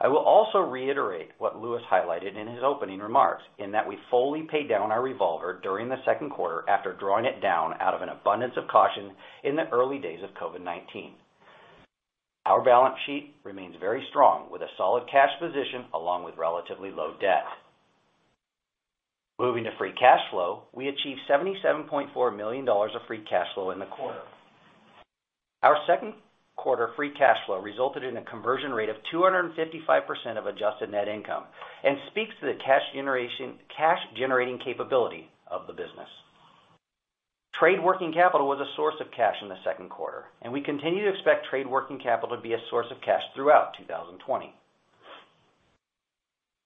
I will also reiterate what Louis highlighted in his opening remarks in that we fully paid down our revolver during the second quarter after drawing it down out of an abundance of caution in the early days of COVID-19. Our balance sheet remains very strong with a solid cash position along with relatively low debt. Moving to free cash flow, we achieved $77.4 million of free cash flow in the quarter. Our second quarter free cash flow resulted in a conversion rate of 255% of adjusted net income and speaks to the cash-generating capability of the business. Trade working capital was a source of cash in the second quarter, and we continue to expect trade working capital to be a source of cash throughout 2020.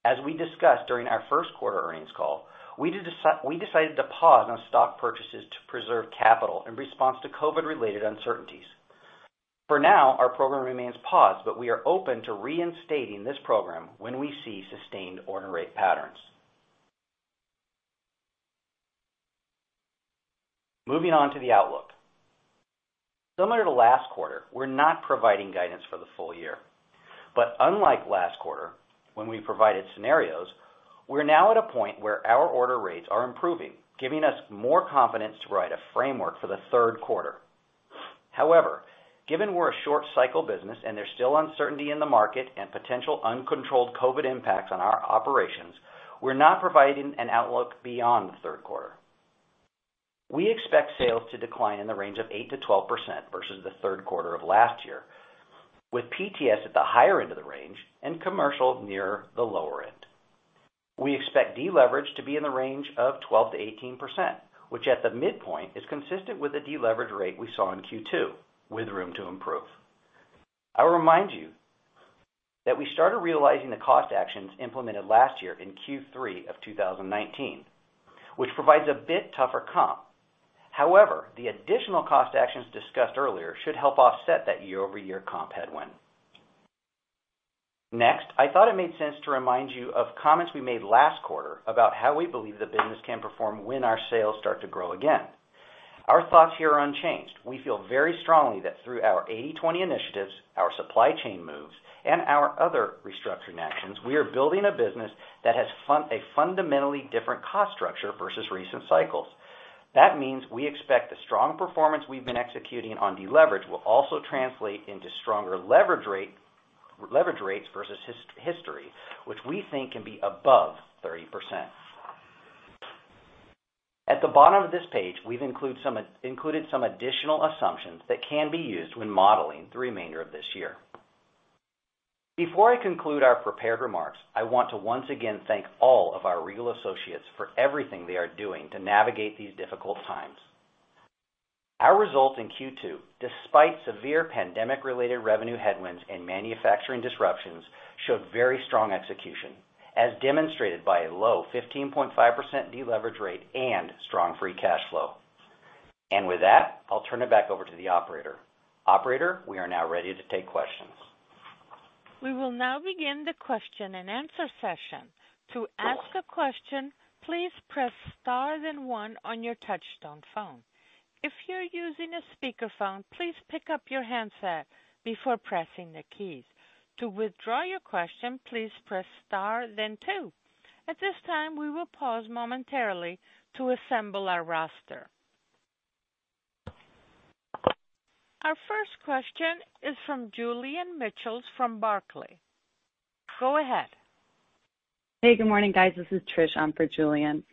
As we discussed during our first quarter earnings call, we decided to pause on stock purchases to preserve capital in response to COVID-related uncertainties. For now, our program remains paused, but we are open to reinstating this program when we see sustained order rate patterns. Moving on to the outlook. Similar to last quarter, we're not providing guidance for the full year. But unlike last quarter, when we provided scenarios, we're now at a point where our order rates are improving, giving us more confidence to write a framework for the third quarter. However, given we're a short cycle business and there's still uncertainty in the market and potential uncontrolled COVID-19 impacts on our operations, we're not providing an outlook beyond the third quarter. We expect sales to decline in the range of 8%-12% versus the third quarter of last year, with PTS at the higher end of the range and commercial near the lower end. We expect deleverage to be in the range of 12%-18%, which at the midpoint is consistent with the deleverage rate we saw in Q2, with room to improve. I will remind you that we started realizing the cost actions implemented last year in Q3 of 2019, which provides a bit tougher comp, however, the additional cost actions discussed earlier should help offset that year-over-year comp headwind. I thought it made sense to remind you of comments we made last quarter about how we believe the business can perform when our sales start to grow again. Our thoughts here are unchanged. We feel very strongly that through our 80/20 initiatives, our supply chain moves, and our other restructuring actions, we are building a business that has a fundamentally different cost structure versus recent cycles. That means we expect the strong performance we've been executing on deleverage will also translate into stronger leverage rates versus history, which we think can be above 30%. At the bottom of this page, we've included some additional assumptions that can be used when modeling the remainder of this year. Before I conclude our prepared remarks, I want to once again thank all of our Regal associates for everything they are doing to navigate these difficult times. Our results in Q2, despite severe pandemic-related revenue headwinds and manufacturing disruptions, showed very strong execution, as demonstrated by a low 15.5% deleverage rate and strong free cash flow. With that, I'll turn it back over to the operator. Operator, we are now ready to take questions. We will now begin the question-and-answer session. To ask a question, please press star then one on your touch-tone phone. If you're using a speakerphone, please pick up your handset before pressing the keys. To withdraw your question, please press star then two. At this time, we will pause momentarily to assemble our roster. Our first question is from Julian Mitchell from Barclays. Go ahead. Hey, good morning, guys. This is Trish. I'm for Julian.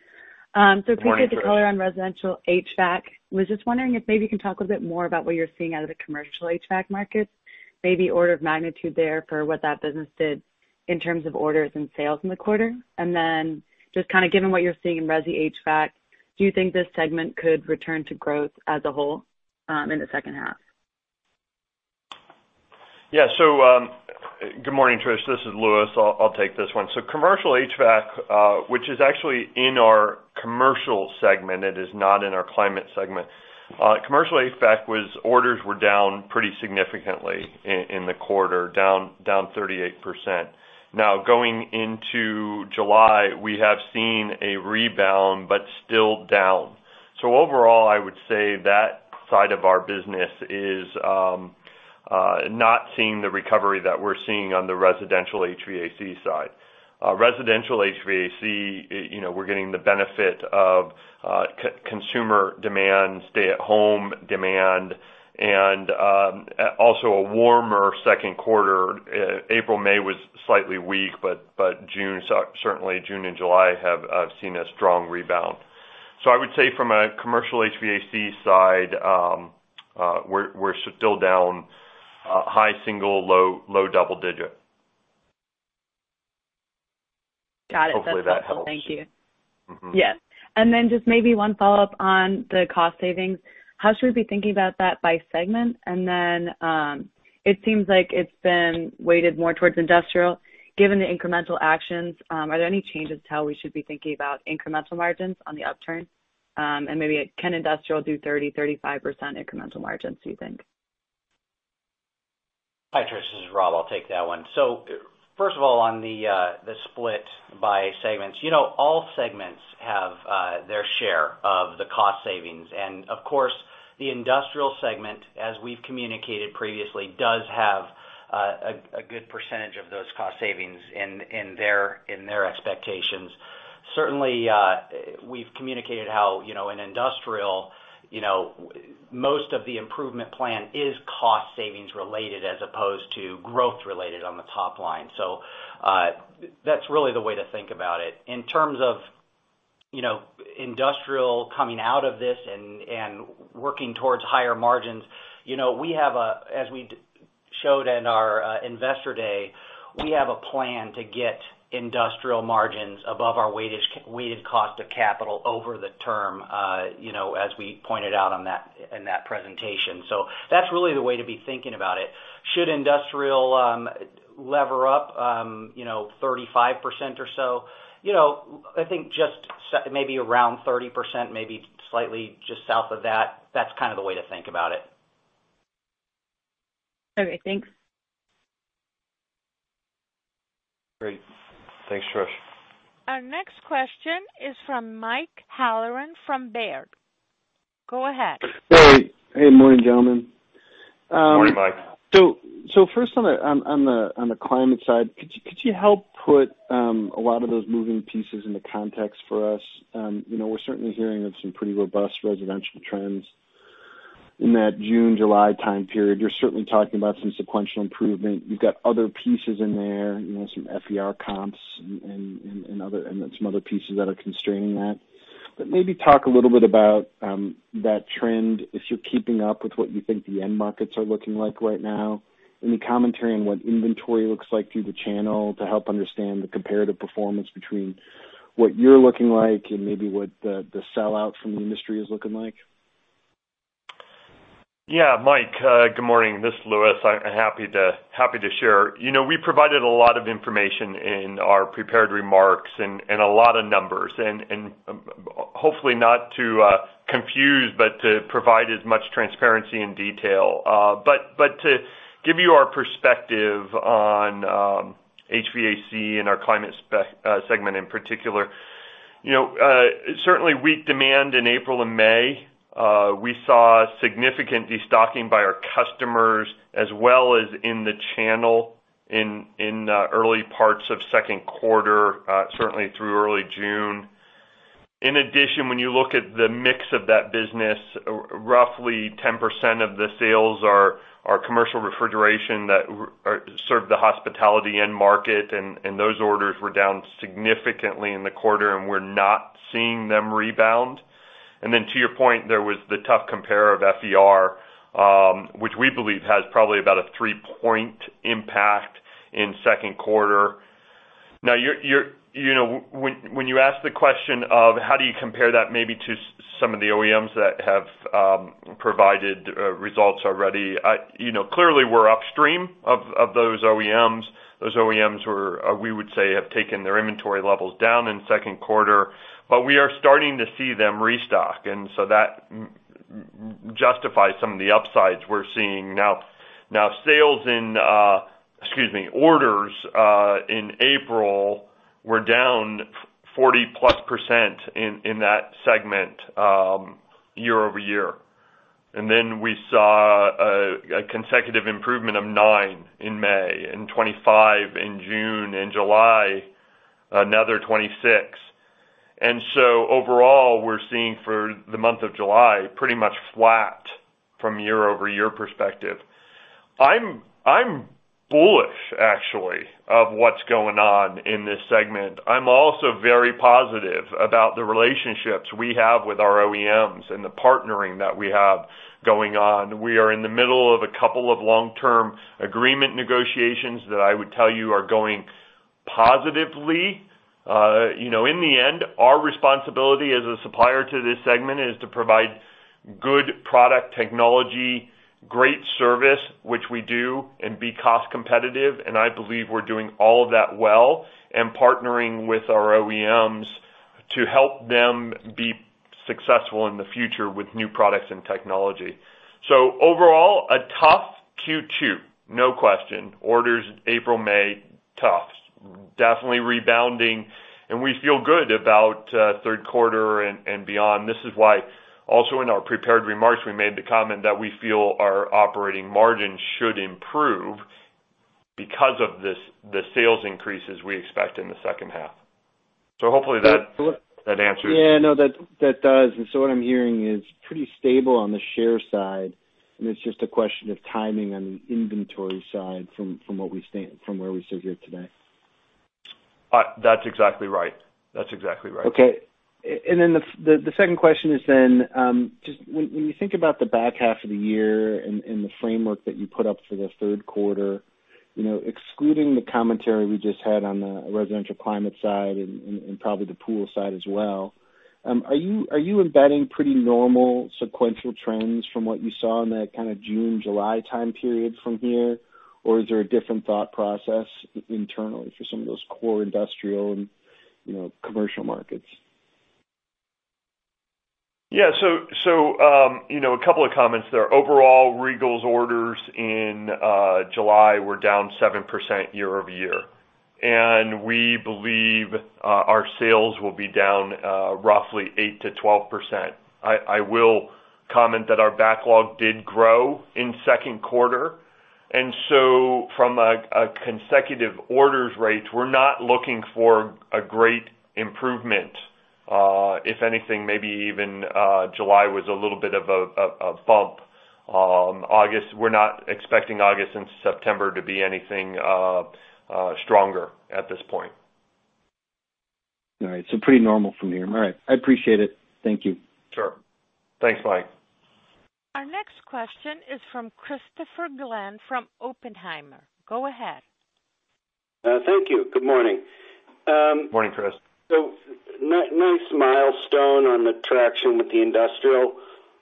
Morning, Trish. If we get the color on residential HVAC, was just wondering if maybe you can talk a bit more about what you're seeing out of the commercial HVAC markets, maybe order of magnitude there for what that business did in terms of orders and sales in the quarter. Then just kind of given what you're seeing in resi HVAC, do you think this segment could return to growth as a whole in the second half? Yeah. Good morning, Trish. This is Louis. I'll take this one. Commercial HVAC, which is actually in our Commercial Segment, it is not in our Climate Segment. Commercial HVAC orders were down pretty significantly in the quarter, down 38%. Now going into July, we have seen a rebound, but still down. Overall, I would say that side of our business is not seeing the recovery that we're seeing on the Residential HVAC side. Residential HVAC, we're getting the benefit of consumer demand, stay-at-home demand, and also a warmer second quarter. April, May was slightly weak, but certainly June and July have seen a strong rebound. I would say from a Commercial HVAC side, we're still down high single, low double-digit. Got it. Hopefully that helps. That's helpful. Thank you. Yeah. Then just maybe one follow-up on the cost savings. How should we be thinking about that by segment? Then it seems like it's been weighted more towards industrial. Given the incremental actions, are there any changes to how we should be thinking about incremental margins on the upturn? Maybe can industrial do 30%, 35% incremental margins, do you think? Hi, Trish. This is Rob. I'll take that one. First of all, on the split by segments. All segments have their share of the cost savings. Of course, the industrial segment, as we've communicated previously, does have a good percentage of those cost savings in their expectations. Certainly, we've communicated how in industrial, most of the improvement plan is cost savings related as opposed to growth related on the top line. That's really the way to think about it. In terms of industrial coming out of this and working towards higher margins, as we showed in our investor day, we have a plan to get industrial margins above our weighted cost of capital over the term as we pointed out in that presentation. That's really the way to be thinking about it. Should industrial lever up 35% or so? I think just maybe around 30%, maybe slightly just south of that. That's kind of the way to think about it. Okay, thanks. Great. Thanks, Trish. Our next question is from Mike Halloran from Baird. Go ahead. Hey. Morning, gentlemen. Morning, Mike. First on the climate side, could you help put a lot of those moving pieces into context for us? We're certainly hearing of some pretty robust residential trends in that June, July time period. You're certainly talking about some sequential improvement. You've got other pieces in there, some FER comps and some other pieces that are constraining that. Maybe talk a little bit about that trend, if you're keeping up with what you think the end markets are looking like right now. Any commentary on what inventory looks like through the channel to help understand the comparative performance between what you're looking like and maybe what the sellout from the industry is looking like? Yeah, Mike, good morning. This is Louis. I'm happy to share. We provided a lot of information in our prepared remarks and a lot of numbers, and hopefully not to confuse, but to provide as much transparency and detail. To give you our perspective on HVAC and our Climate segment in particular, certainly weak demand in April and May. We saw significant de-stocking by our customers as well as in the channel in early parts of second quarter, certainly through early June. In addition, when you look at the mix of that business, roughly 10% of the sales are commercial refrigeration that serve the hospitality end market, and those orders were down significantly in the quarter, and we're not seeing them rebound. To your point, there was the tough compare of FER, which we believe has probably about a three-point impact in second quarter. When you ask the question of how do you compare that maybe to some of the OEMs that have provided results already, clearly we're upstream of those OEMs. Those OEMs, we would say, have taken their inventory levels down in the second quarter. We are starting to see them restock. That justifies some of the upsides we're seeing now. Orders in April were down 40%+ in that segment year-over-year. We saw a consecutive improvement of nine in May and 25 in June, and July, another 26. Overall, we're seeing for the month of July, pretty much flat from year-over-year perspective. I'm bullish, actually, of what's going on in this segment. I'm also very positive about the relationships we have with our OEMs and the partnering that we have going on. We are in the middle of a couple of long-term agreement negotiations that I would tell you are going positively. In the end, our responsibility as a supplier to this segment is to provide good product technology, great service, which we do, and be cost competitive. I believe we're doing all of that well and partnering with our OEMs to help them be successful in the future with new products and technology. Overall, a tough Q2, no question. Orders April, May, tough. Definitely rebounding, and we feel good about third quarter and beyond. This is why also in our prepared remarks, we made the comment that we feel our operating margin should improve because of the sales increases we expect in the second half. Hopefully that answers. Yeah, no, that does. What I'm hearing is pretty stable on the share side, and it's just a question of timing on the inventory side from where we sit here today. That's exactly right. Okay. The second question is then, just when you think about the back half of the year and the framework that you put up for the third quarter, excluding the commentary we just had on the residential climate side and probably the pool side as well, are you embedding pretty normal sequential trends from what you saw in that kind of June, July time period from here? Or is there a different thought process internally for some of those core industrial and commercial markets? Yeah. A couple of comments there. Overall, Regal's orders in July were down 7% year-over-year. We believe our sales will be down roughly 8%-12%. I will comment that our backlog did grow in the second quarter, and so from a consecutive orders rate, we're not looking for a great improvement. If anything, maybe even July was a little bit of a bump. We're not expecting August and September to be anything stronger at this point. All right. Pretty normal from here. All right, I appreciate it. Thank you. Sure. Thanks, Mike. Our next question is from Christopher Glynn from Oppenheimer. Go ahead. Thank you. Good morning. Morning, Chris. Nice milestone on the traction with the industrial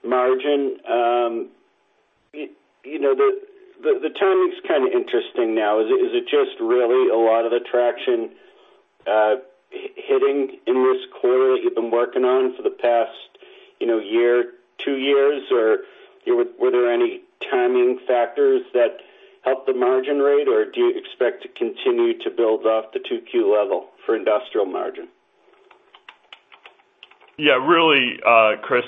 margin. The timing's kind of interesting now. Is it just really a lot of the traction hitting in this quarter that you've been working on for the past year, two years? Were there any timing factors that helped the margin rate? Do you expect to continue to build off the 2Q level for industrial margin? Yeah, really, Chris,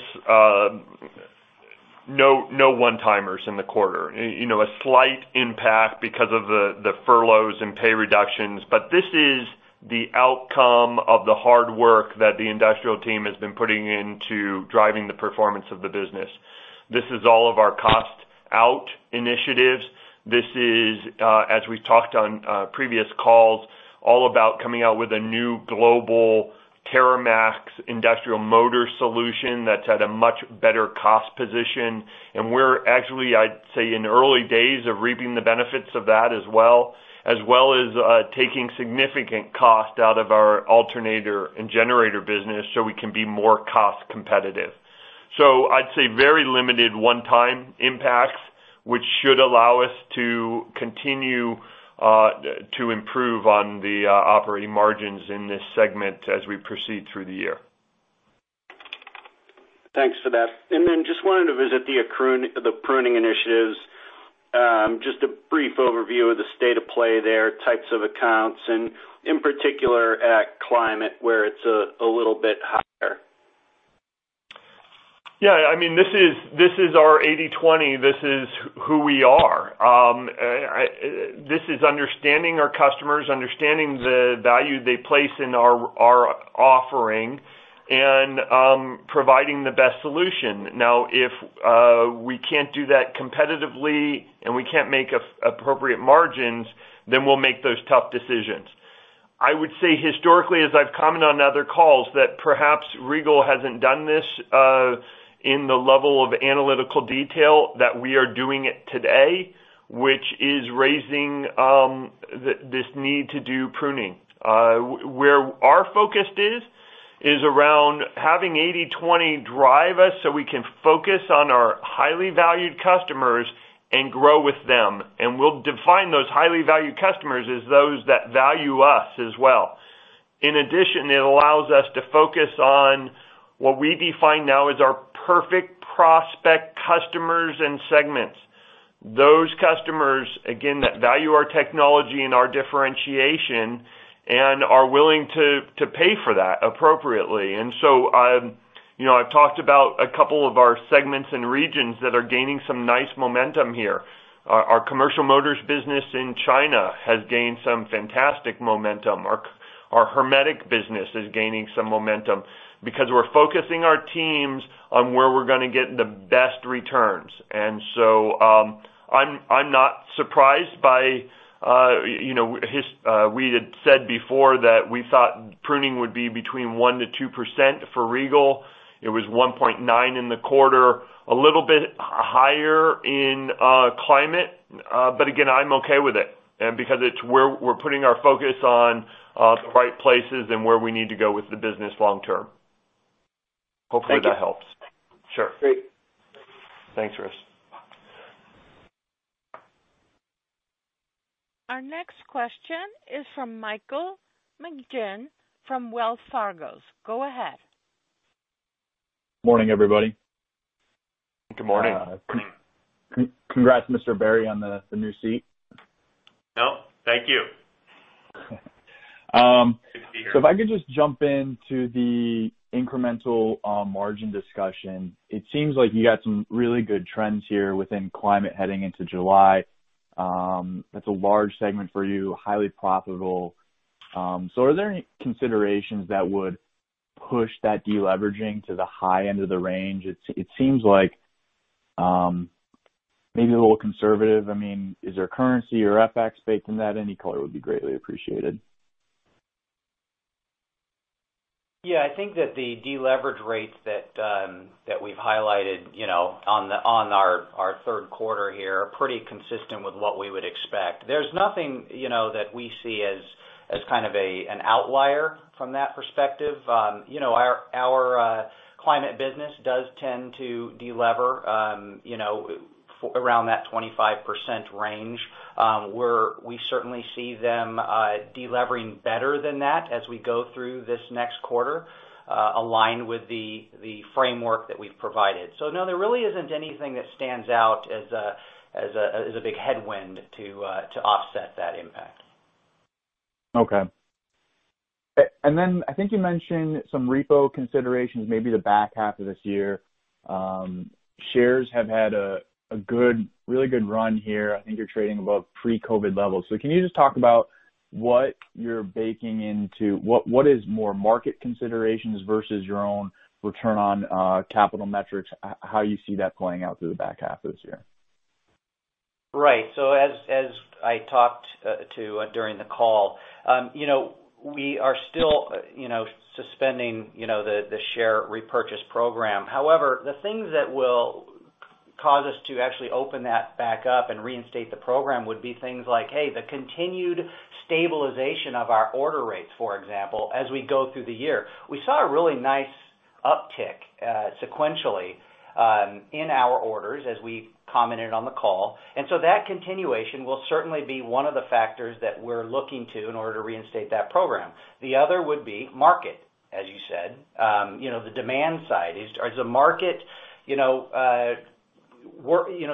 no one-timers in the quarter. A slight impact because of the furloughs and pay reductions. This is the outcome of the hard work that the industrial team has been putting into driving the performance of the business. This is all of our cost-out initiatives. This is, as we've talked on previous calls, all about coming out with a new global TerraMAX industrial motor solution that's at a much better cost position. We're actually, I'd say, in the early days of reaping the benefits of that as well, as well as taking significant cost out of our alternator and generator business so we can be more cost competitive. I'd say very limited one-time impacts, which should allow us to continue to improve on the operating margins in this segment as we proceed through the year. Thanks for that. Just wanted to visit the pruning initiatives. Just a brief overview of the state of play there, types of accounts, and in particular at climate, where it's a little bit higher. Yeah. This is our 80/20. This is who we are. This is understanding our customers, understanding the value they place in our offering, and providing the best solution. If we can't do that competitively and we can't make appropriate margins, then we'll make those tough decisions. I would say historically, as I've commented on other calls, that perhaps Regal hasn't done this in the level of analytical detail that we are doing it today, which is raising this need to do pruning. Where our focus is around having 80/20 drive us so we can focus on our highly valued customers and grow with them. We'll define those highly valued customers as those that value us as well. In addition, it allows us to focus on what we define now as our perfect prospect customers and segments. Those customers, again, that value our technology and our differentiation and are willing to pay for that appropriately. I've talked about a couple of our segments and regions that are gaining some nice momentum here. Our Commercial Motors business in China has gained some fantastic momentum. Our Hermetic business is gaining some momentum because we're focusing our teams on where we're going to get the best returns. We had said before that we thought pruning would be between 1%-2% for Regal. It was 1.9% in the quarter, a little bit higher in climate. I'm okay with it, and because it's where we're putting our focus on the right places and where we need to go with the business long term. Hopefully that helps. Thank you. Sure. Great. Thanks, Chris. Our next question is from Michael McGinn from Wells Fargo. Go ahead. Morning, everybody. Good morning. Congrats, Mr. Barry, on the new seat. No, thank you. Good to be here. If I could just jump into the incremental margin discussion. It seems like you got some really good trends here within Climate heading into July. That's a large segment for you, highly profitable. Are there any considerations that would push that deleveraging to the high end of the range? It seems like maybe a little conservative. Is there currency or FX baked in that? Any color would be greatly appreciated. Yeah, I think that the deleverage rates that we've highlighted on our third quarter here are pretty consistent with what we would expect. There's nothing that we see as kind of an outlier from that perspective. Our climate business does tend to delever around that 25% range, where we certainly see them delevering better than that as we go through this next quarter aligned with the framework that we've provided. No, there really isn't anything that stands out as a big headwind to offset that impact. Okay. I think you mentioned some repo considerations, maybe the back half of this year. Shares have had a really good run here. I think you're trading above pre-COVID levels. Can you just talk about what is more market considerations versus your own return on capital metrics? How you see that playing out through the back half of this year? Right. As I talked to during the call we are still suspending the share repurchase program. However, the things that will cause us to actually open that back up and reinstate the program would be things like, hey, the continued stabilization of our order rates, for example, as we go through the year. We saw a really nice uptick sequentially in our orders, as we commented on the call. That continuation will certainly be one of the factors that we're looking to in order to reinstate that program. The other would be market, as you said. The demand side. Is the market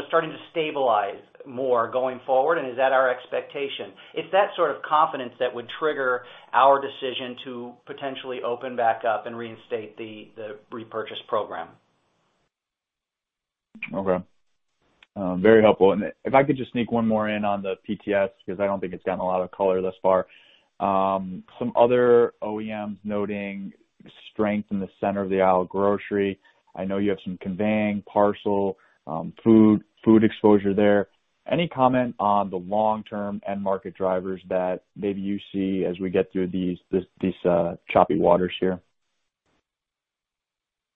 starting to stabilize more going forward, and is that our expectation? It's that sort of confidence that would trigger our decision to potentially open back up and reinstate the repurchase program. Okay. Very helpful. If I could just sneak one more in on the PTS, because I don't think it's gotten a lot of color thus far. Some other OEMs noting strength in the center of the aisle grocery. I know you have some conveying parcel food exposure there. Any comment on the long-term end market drivers that maybe you see as we get through these choppy waters here?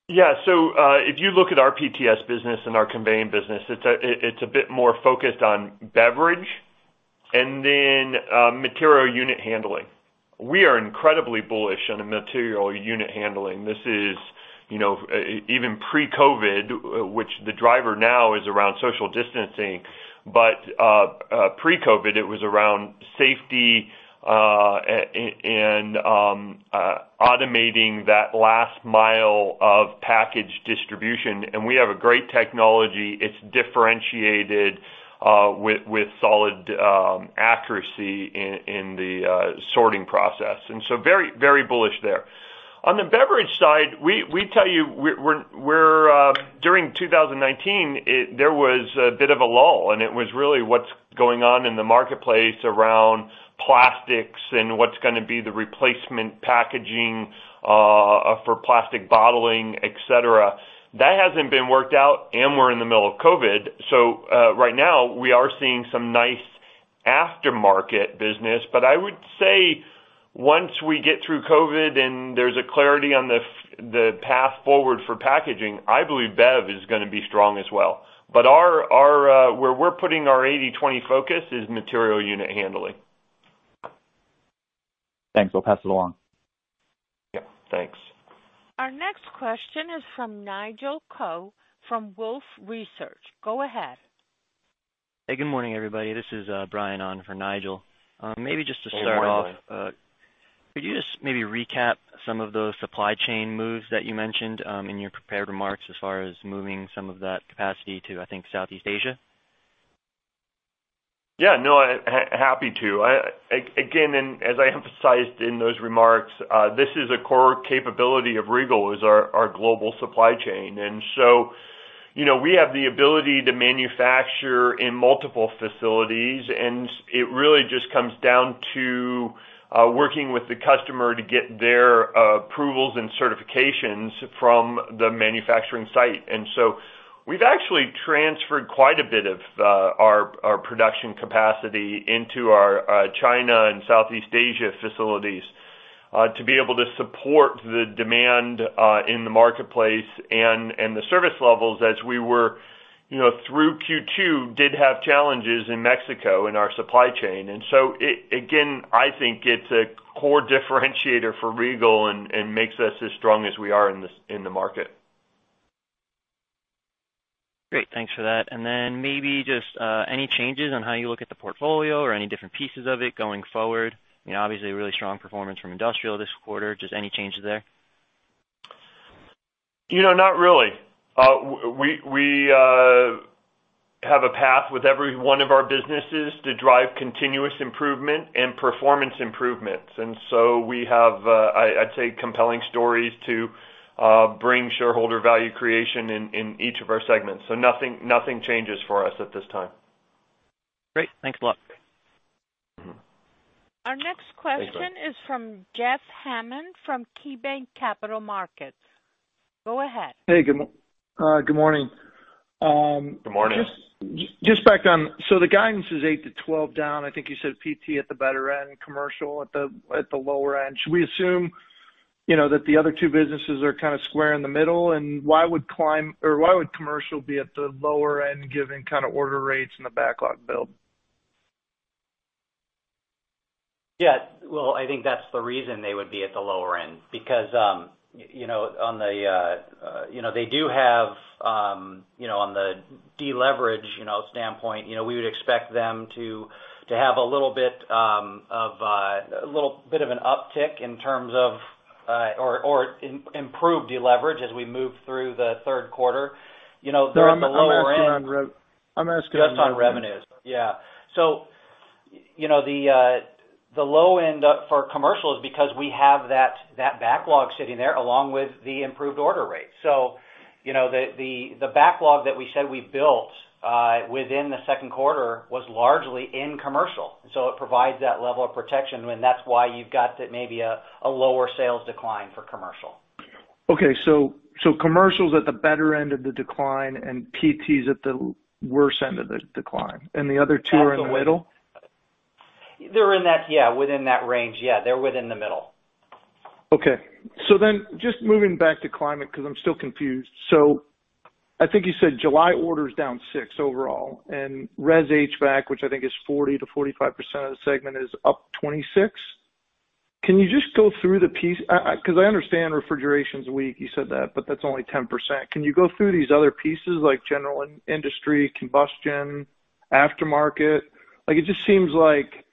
Yeah. If you look at our PTS business and our conveying business, it's a bit more focused on beverage and then material unit handling. We are incredibly bullish on the material unit handling. This is even pre-COVID, which the driver now is around social distancing. Pre-COVID, it was around safety and automating that last mile of package distribution. We have a great technology. It's differentiated with solid accuracy in the sorting process. So very bullish there. On the beverage side, we tell you during 2019, there was a bit of a lull. It was really what's going on in the marketplace around plastics and what's going to be the replacement packaging for plastic bottling, etc. That hasn't been worked out. We're in the middle of COVID. Right now, we are seeing some nice aftermarket business. I would say once we get through COVID and there's a clarity on the path forward for packaging, I believe bev is going to be strong as well. Where we're putting our 80/20 focus is material unit handling. Thanks. I'll pass it along. Yeah, thanks. Our next question is from Nigel Coe from Wolfe Research. Go ahead. Hey, good morning, everybody. This is Brian on for Nigel. Oh, morning, Brian. Could you just maybe recap some of those supply chain moves that you mentioned in your prepared remarks as far as moving some of that capacity to, I think, Southeast Asia? Yeah, no, happy to. Again, and as I emphasized in those remarks, this is a core capability of Regal is our global supply chain. We have the ability to manufacture in multiple facilities, and it really just comes down to working with the customer to get their approvals and certifications from the manufacturing site. We've actually transferred quite a bit of our production capacity into our China and Southeast Asia facilities, to be able to support the demand in the marketplace and the service levels as we were through Q2, did have challenges in Mexico in our supply chain. Again, I think it's a core differentiator for Regal and makes us as strong as we are in the market. Great. Thanks for that. Then maybe just any changes on how you look at the portfolio or any different pieces of it going forward? Obviously, really strong performance from industrial this quarter. Just any changes there? Not really. We have a path with every one of our businesses to drive continuous improvement and performance improvements. We have, I'd say, compelling stories to bring shareholder value creation in each of our segments. Nothing changes for us at this time. Great. Thanks a lot. Thanks, Brian. Our next question is from Jeff Hammond from KeyBanc Capital Markets. Go ahead. Hey, good morning. Good morning. Just back down, the guidance is 8%-12% down. I think you said PT at the better end, commercial at the lower end. Should we assume that the other two businesses are kind of square in the middle, and why would commercial be at the lower end, given kind of order rates and the backlog build? Yeah. Well, I think that's the reason they would be at the lower end because they do have on the deleverage standpoint, we would expect them to have a little bit of an uptick in terms of or improved deleverage as we move through the third quarter. They're on the lower end. I'm asking on re- Just on revenues. Yeah. The low end for commercial is because we have that backlog sitting there, along with the improved order rate. The backlog that we said we built within the second quarter was largely in commercial. It provides that level of protection, and that's why you've got maybe a lower sales decline for commercial. Okay. Commercial's at the better end of the decline, and PTs at the worse end of the decline. The other two are in the middle? They're in that, yeah, within that range. Yeah, they're within the middle. Okay. Just moving back to climate, because I'm still confused. I think you said July orders down six overall, and resi HVAC, which I think is 40%-45% of the segment, is up 26%. Can you just go through the piece? Because I understand refrigeration's weak, you said that, but that's only 10%. Can you go through these other pieces, like general industry, combustion, aftermarket? It just seems like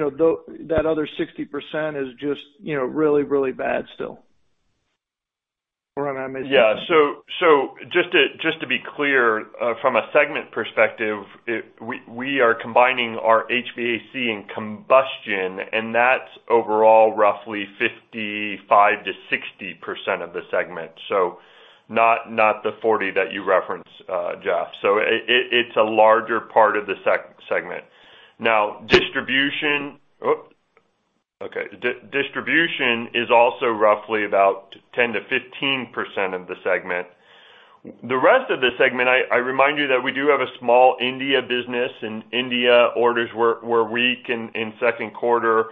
that other 60% is just really bad still, or am I missing something? Yeah. Just to be clear, from a segment perspective, we are combining our HVAC and combustion, and that's overall roughly 55%-60% of the segment. Not the 40% that you referenced, Jeff. It's a larger part of the segment. Now, distribution is also roughly about 10%-15% of the segment. The rest of the segment, I remind you that we do have a small India business, and India orders were weak in second quarter.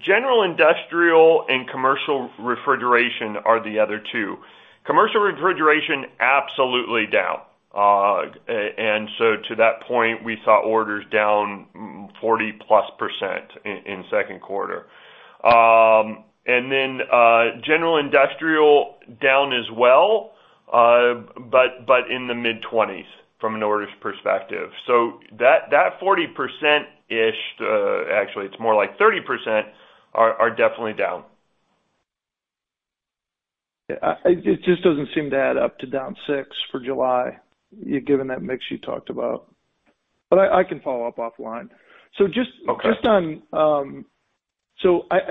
General industrial and commercial refrigeration are the other two. Commercial refrigeration, absolutely down. To that point, we saw orders down 40%+ in second quarter. General industrial down as well, but in the mid-20s from an orders perspective. That 40%-ish, actually it's more like 30%, are definitely down. It just doesn't seem to add up to down six for July, given that mix you talked about. I can follow up offline. Okay. I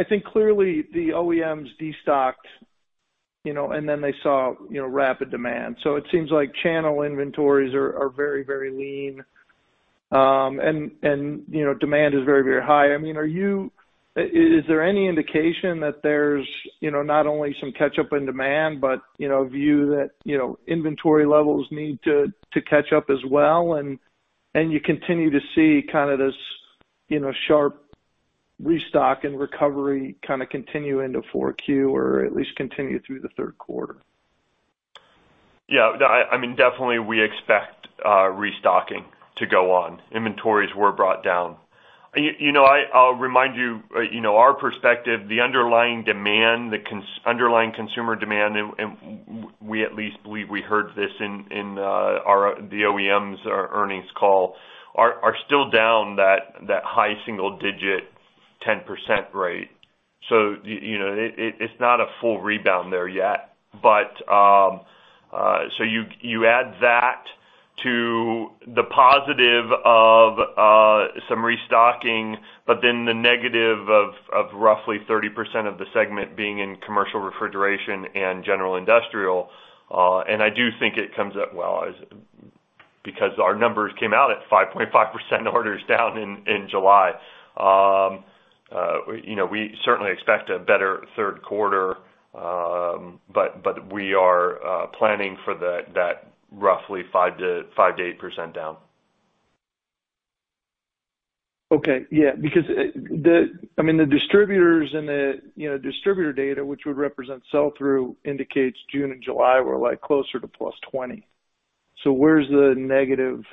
think clearly the OEMs de-stocked, and then they saw rapid demand. It seems like channel inventories are very lean, and demand is very high. Is there any indication that there's not only some catch up in demand, but a view that inventory levels need to catch up as well, and you continue to see this sharp restock and recovery kind of continue into 4Q or at least continue through the third quarter? Definitely we expect restocking to go on. Inventories were brought down. I'll remind you, our perspective, the underlying consumer demand, and we at least believe we heard this in the OEMs earnings call, are still down that high single-digit 10% rate. It's not a full rebound there yet. You add that to the positive of some restocking, but then the negative of roughly 30% of the segment being in commercial refrigeration and general industrial. I do think it comes up well because our numbers came out at 5.5% orders down in July. We certainly expect a better third quarter, but we are planning for that roughly 5%-8% down. Okay. The distributor data, which would represent sell-through, indicates June and July were closer to +20. Where's the negative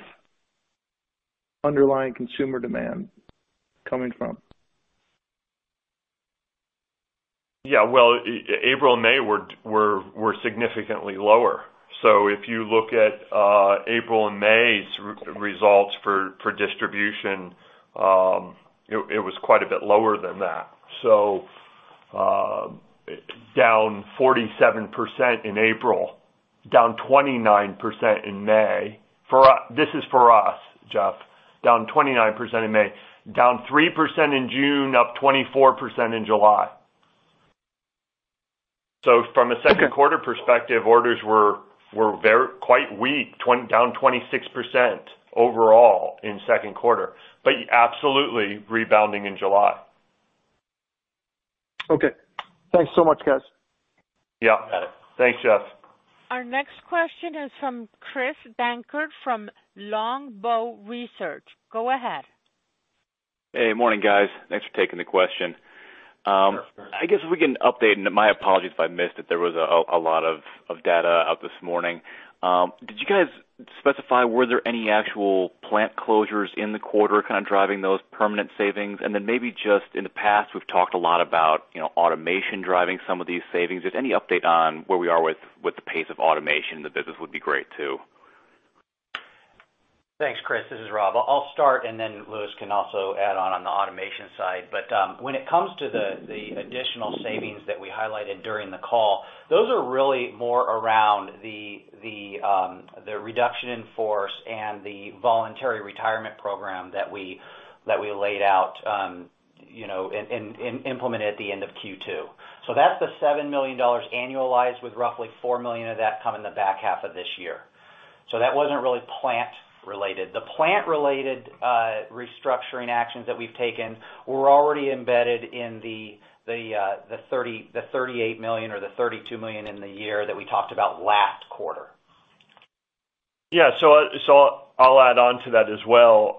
underlying consumer demand coming from? Yeah. Well, April and May were significantly lower. If you look at April and May's results for distribution, it was quite a bit lower than that. Down 47% in April, down 29% in May. This is for us, Jeff. Down 29% in May. Down 3% in June, up 24% in July. Okay. From a second quarter perspective, orders were quite weak, down 26% overall in second quarter, but absolutely rebounding in July. Okay. Thanks so much, guys. Yeah. Thanks, Jeff. Our next question is from Chris Dankert from Longbow Research. Go ahead. Hey. Morning, guys. Thanks for taking the question. Sure. I guess if we can update, and my apologies if I missed it, there was a lot of data out this morning. Did you guys specify, were there any actual plant closures in the quarter kind of driving those permanent savings? Then maybe just in the past, we've talked a lot about automation driving some of these savings. Just any update on where we are with the pace of automation in the business would be great, too. Thanks, Chris. This is Rob. I'll start and then Louis can also add on the automation side. When it comes to the additional savings that we highlighted during the call, those are really more around the reduction in force and the voluntary retirement program that we laid out, and implemented at the end of Q2. That's the $7 million annualized with roughly $4 million of that coming in the back half of this year. That wasn't really plant related. The plant related restructuring actions that we've taken were already embedded in the $38 million or the $32 million in the year that we talked about last quarter. Yeah. I'll add on to that as well.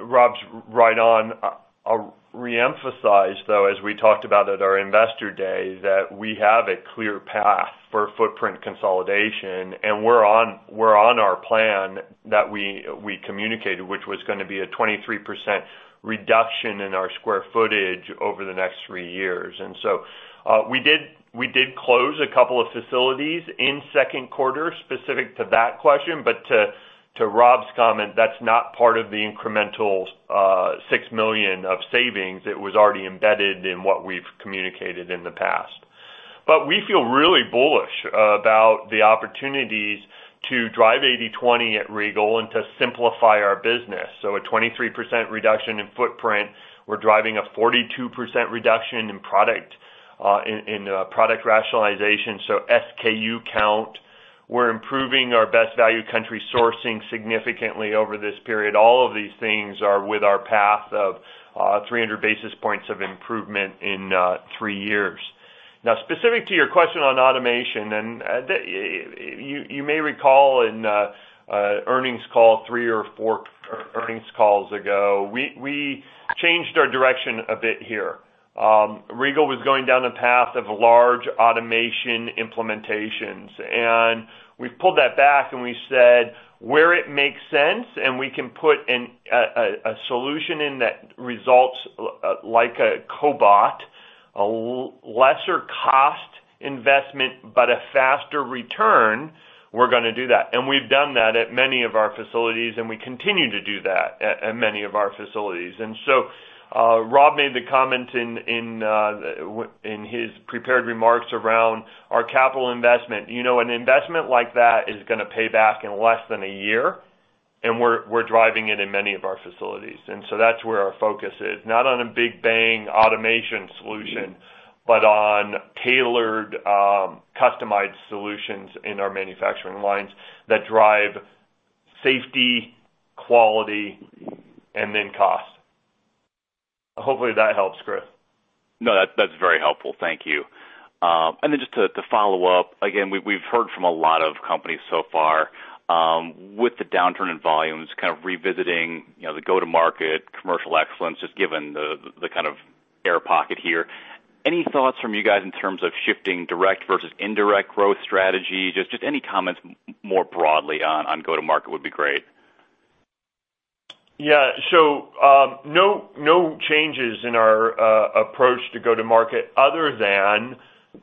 Rob's right on. I'll reemphasize though, as we talked about at our investor day, that we have a clear path for footprint consolidation, and we're on our plan that we communicated, which was going to be a 23% reduction in our square footage over the next three years. We did close a couple of facilities in second quarter, specific to that question. To Rob's comment, that's not part of the incremental $6 million of savings. It was already embedded in what we've communicated in the past. We feel really bullish about the opportunities to drive 80/20 at Regal and to simplify our business. A 23% reduction in footprint. We're driving a 42% reduction in product rationalization, so SKU count. We're improving our best value country sourcing significantly over this period. All of these things are with our path of 300 basis points of improvement in three years. Specific to your question on automation, and you may recall in earnings call three or four earnings calls ago, we changed our direction a bit here. Regal was going down the path of large automation implementations, and we pulled that back and we said, where it makes sense and we can put a solution in that results like a cobot a lesser cost investment, but a faster return, we're going to do that. We've done that at many of our facilities, and we continue to do that at many of our facilities. Rob made the comment in his prepared remarks around our capital investment. An investment like that is going to pay back in less than a year, and we're driving it in many of our facilities. That's where our focus is, not on a big bang automation solution, but on tailored customized solutions in our manufacturing lines that drive safety, quality, and then cost. Hopefully that helps, Chris. No, that's very helpful. Thank you. Just to follow up, again, we've heard from a lot of companies so far with the downturn in volumes, kind of revisiting the go-to-market commercial excellence, just given the kind of air pocket here. Any thoughts from you guys in terms of shifting direct versus indirect growth strategy? Just any comments more broadly on go-to-market would be great. Yeah. No changes in our approach to go-to-market other than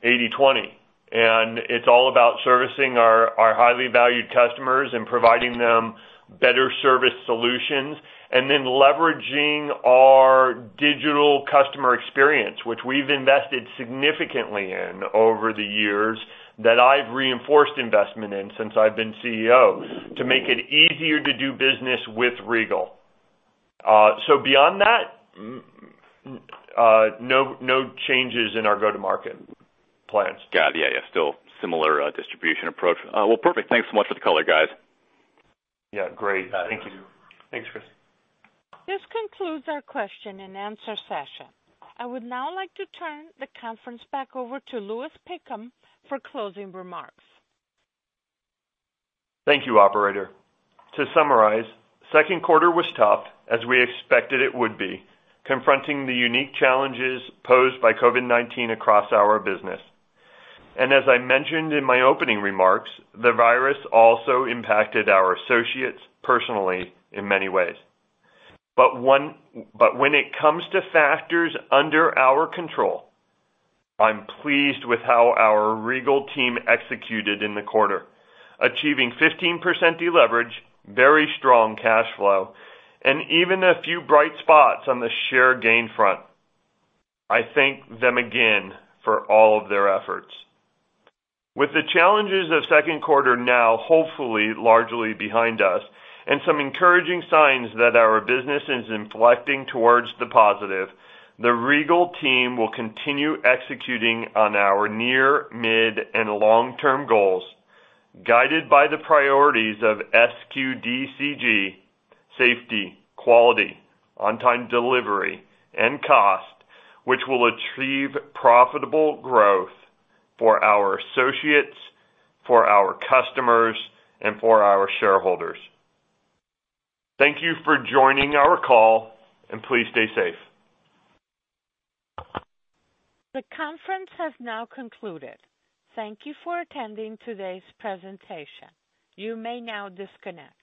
80/20. It's all about servicing our highly valued customers and providing them better service solutions, and then leveraging our digital customer experience, which we've invested significantly in over the years, that I've reinforced investment in since I've been CEO, to make it easier to do business with Regal. Beyond that, no changes in our go-to-market plans. Got it. Yeah. Still similar distribution approach. Well, perfect. Thanks so much for the color, guys. Yeah, great. Thank you. Thanks, Chris. This concludes our question-and-answer session. I would now like to turn the conference back over to Louis Pinkham for closing remarks. Thank you, operator. To summarize, second quarter was tough as we expected it would be, confronting the unique challenges posed by COVID-19 across our business. As I mentioned in my opening remarks, the virus also impacted our associates personally in many ways. When it comes to factors under our control, I'm pleased with how our Regal team executed in the quarter, achieving 15% deleverage, very strong cash flow, and even a few bright spots on the share gain front. I thank them again for all of their efforts. With the challenges of second quarter now hopefully largely behind us and some encouraging signs that our business is inflecting towards the positive, the Regal team will continue executing on our near, mid, and long-term goals, guided by the priorities of SQDCG, safety, quality, on-time delivery, and cost, which will achieve profitable growth for our associates, for our customers, and for our shareholders. Thank you for joining our call, and please stay safe. The conference has now concluded. Thank you for attending today's presentation. You may now disconnect.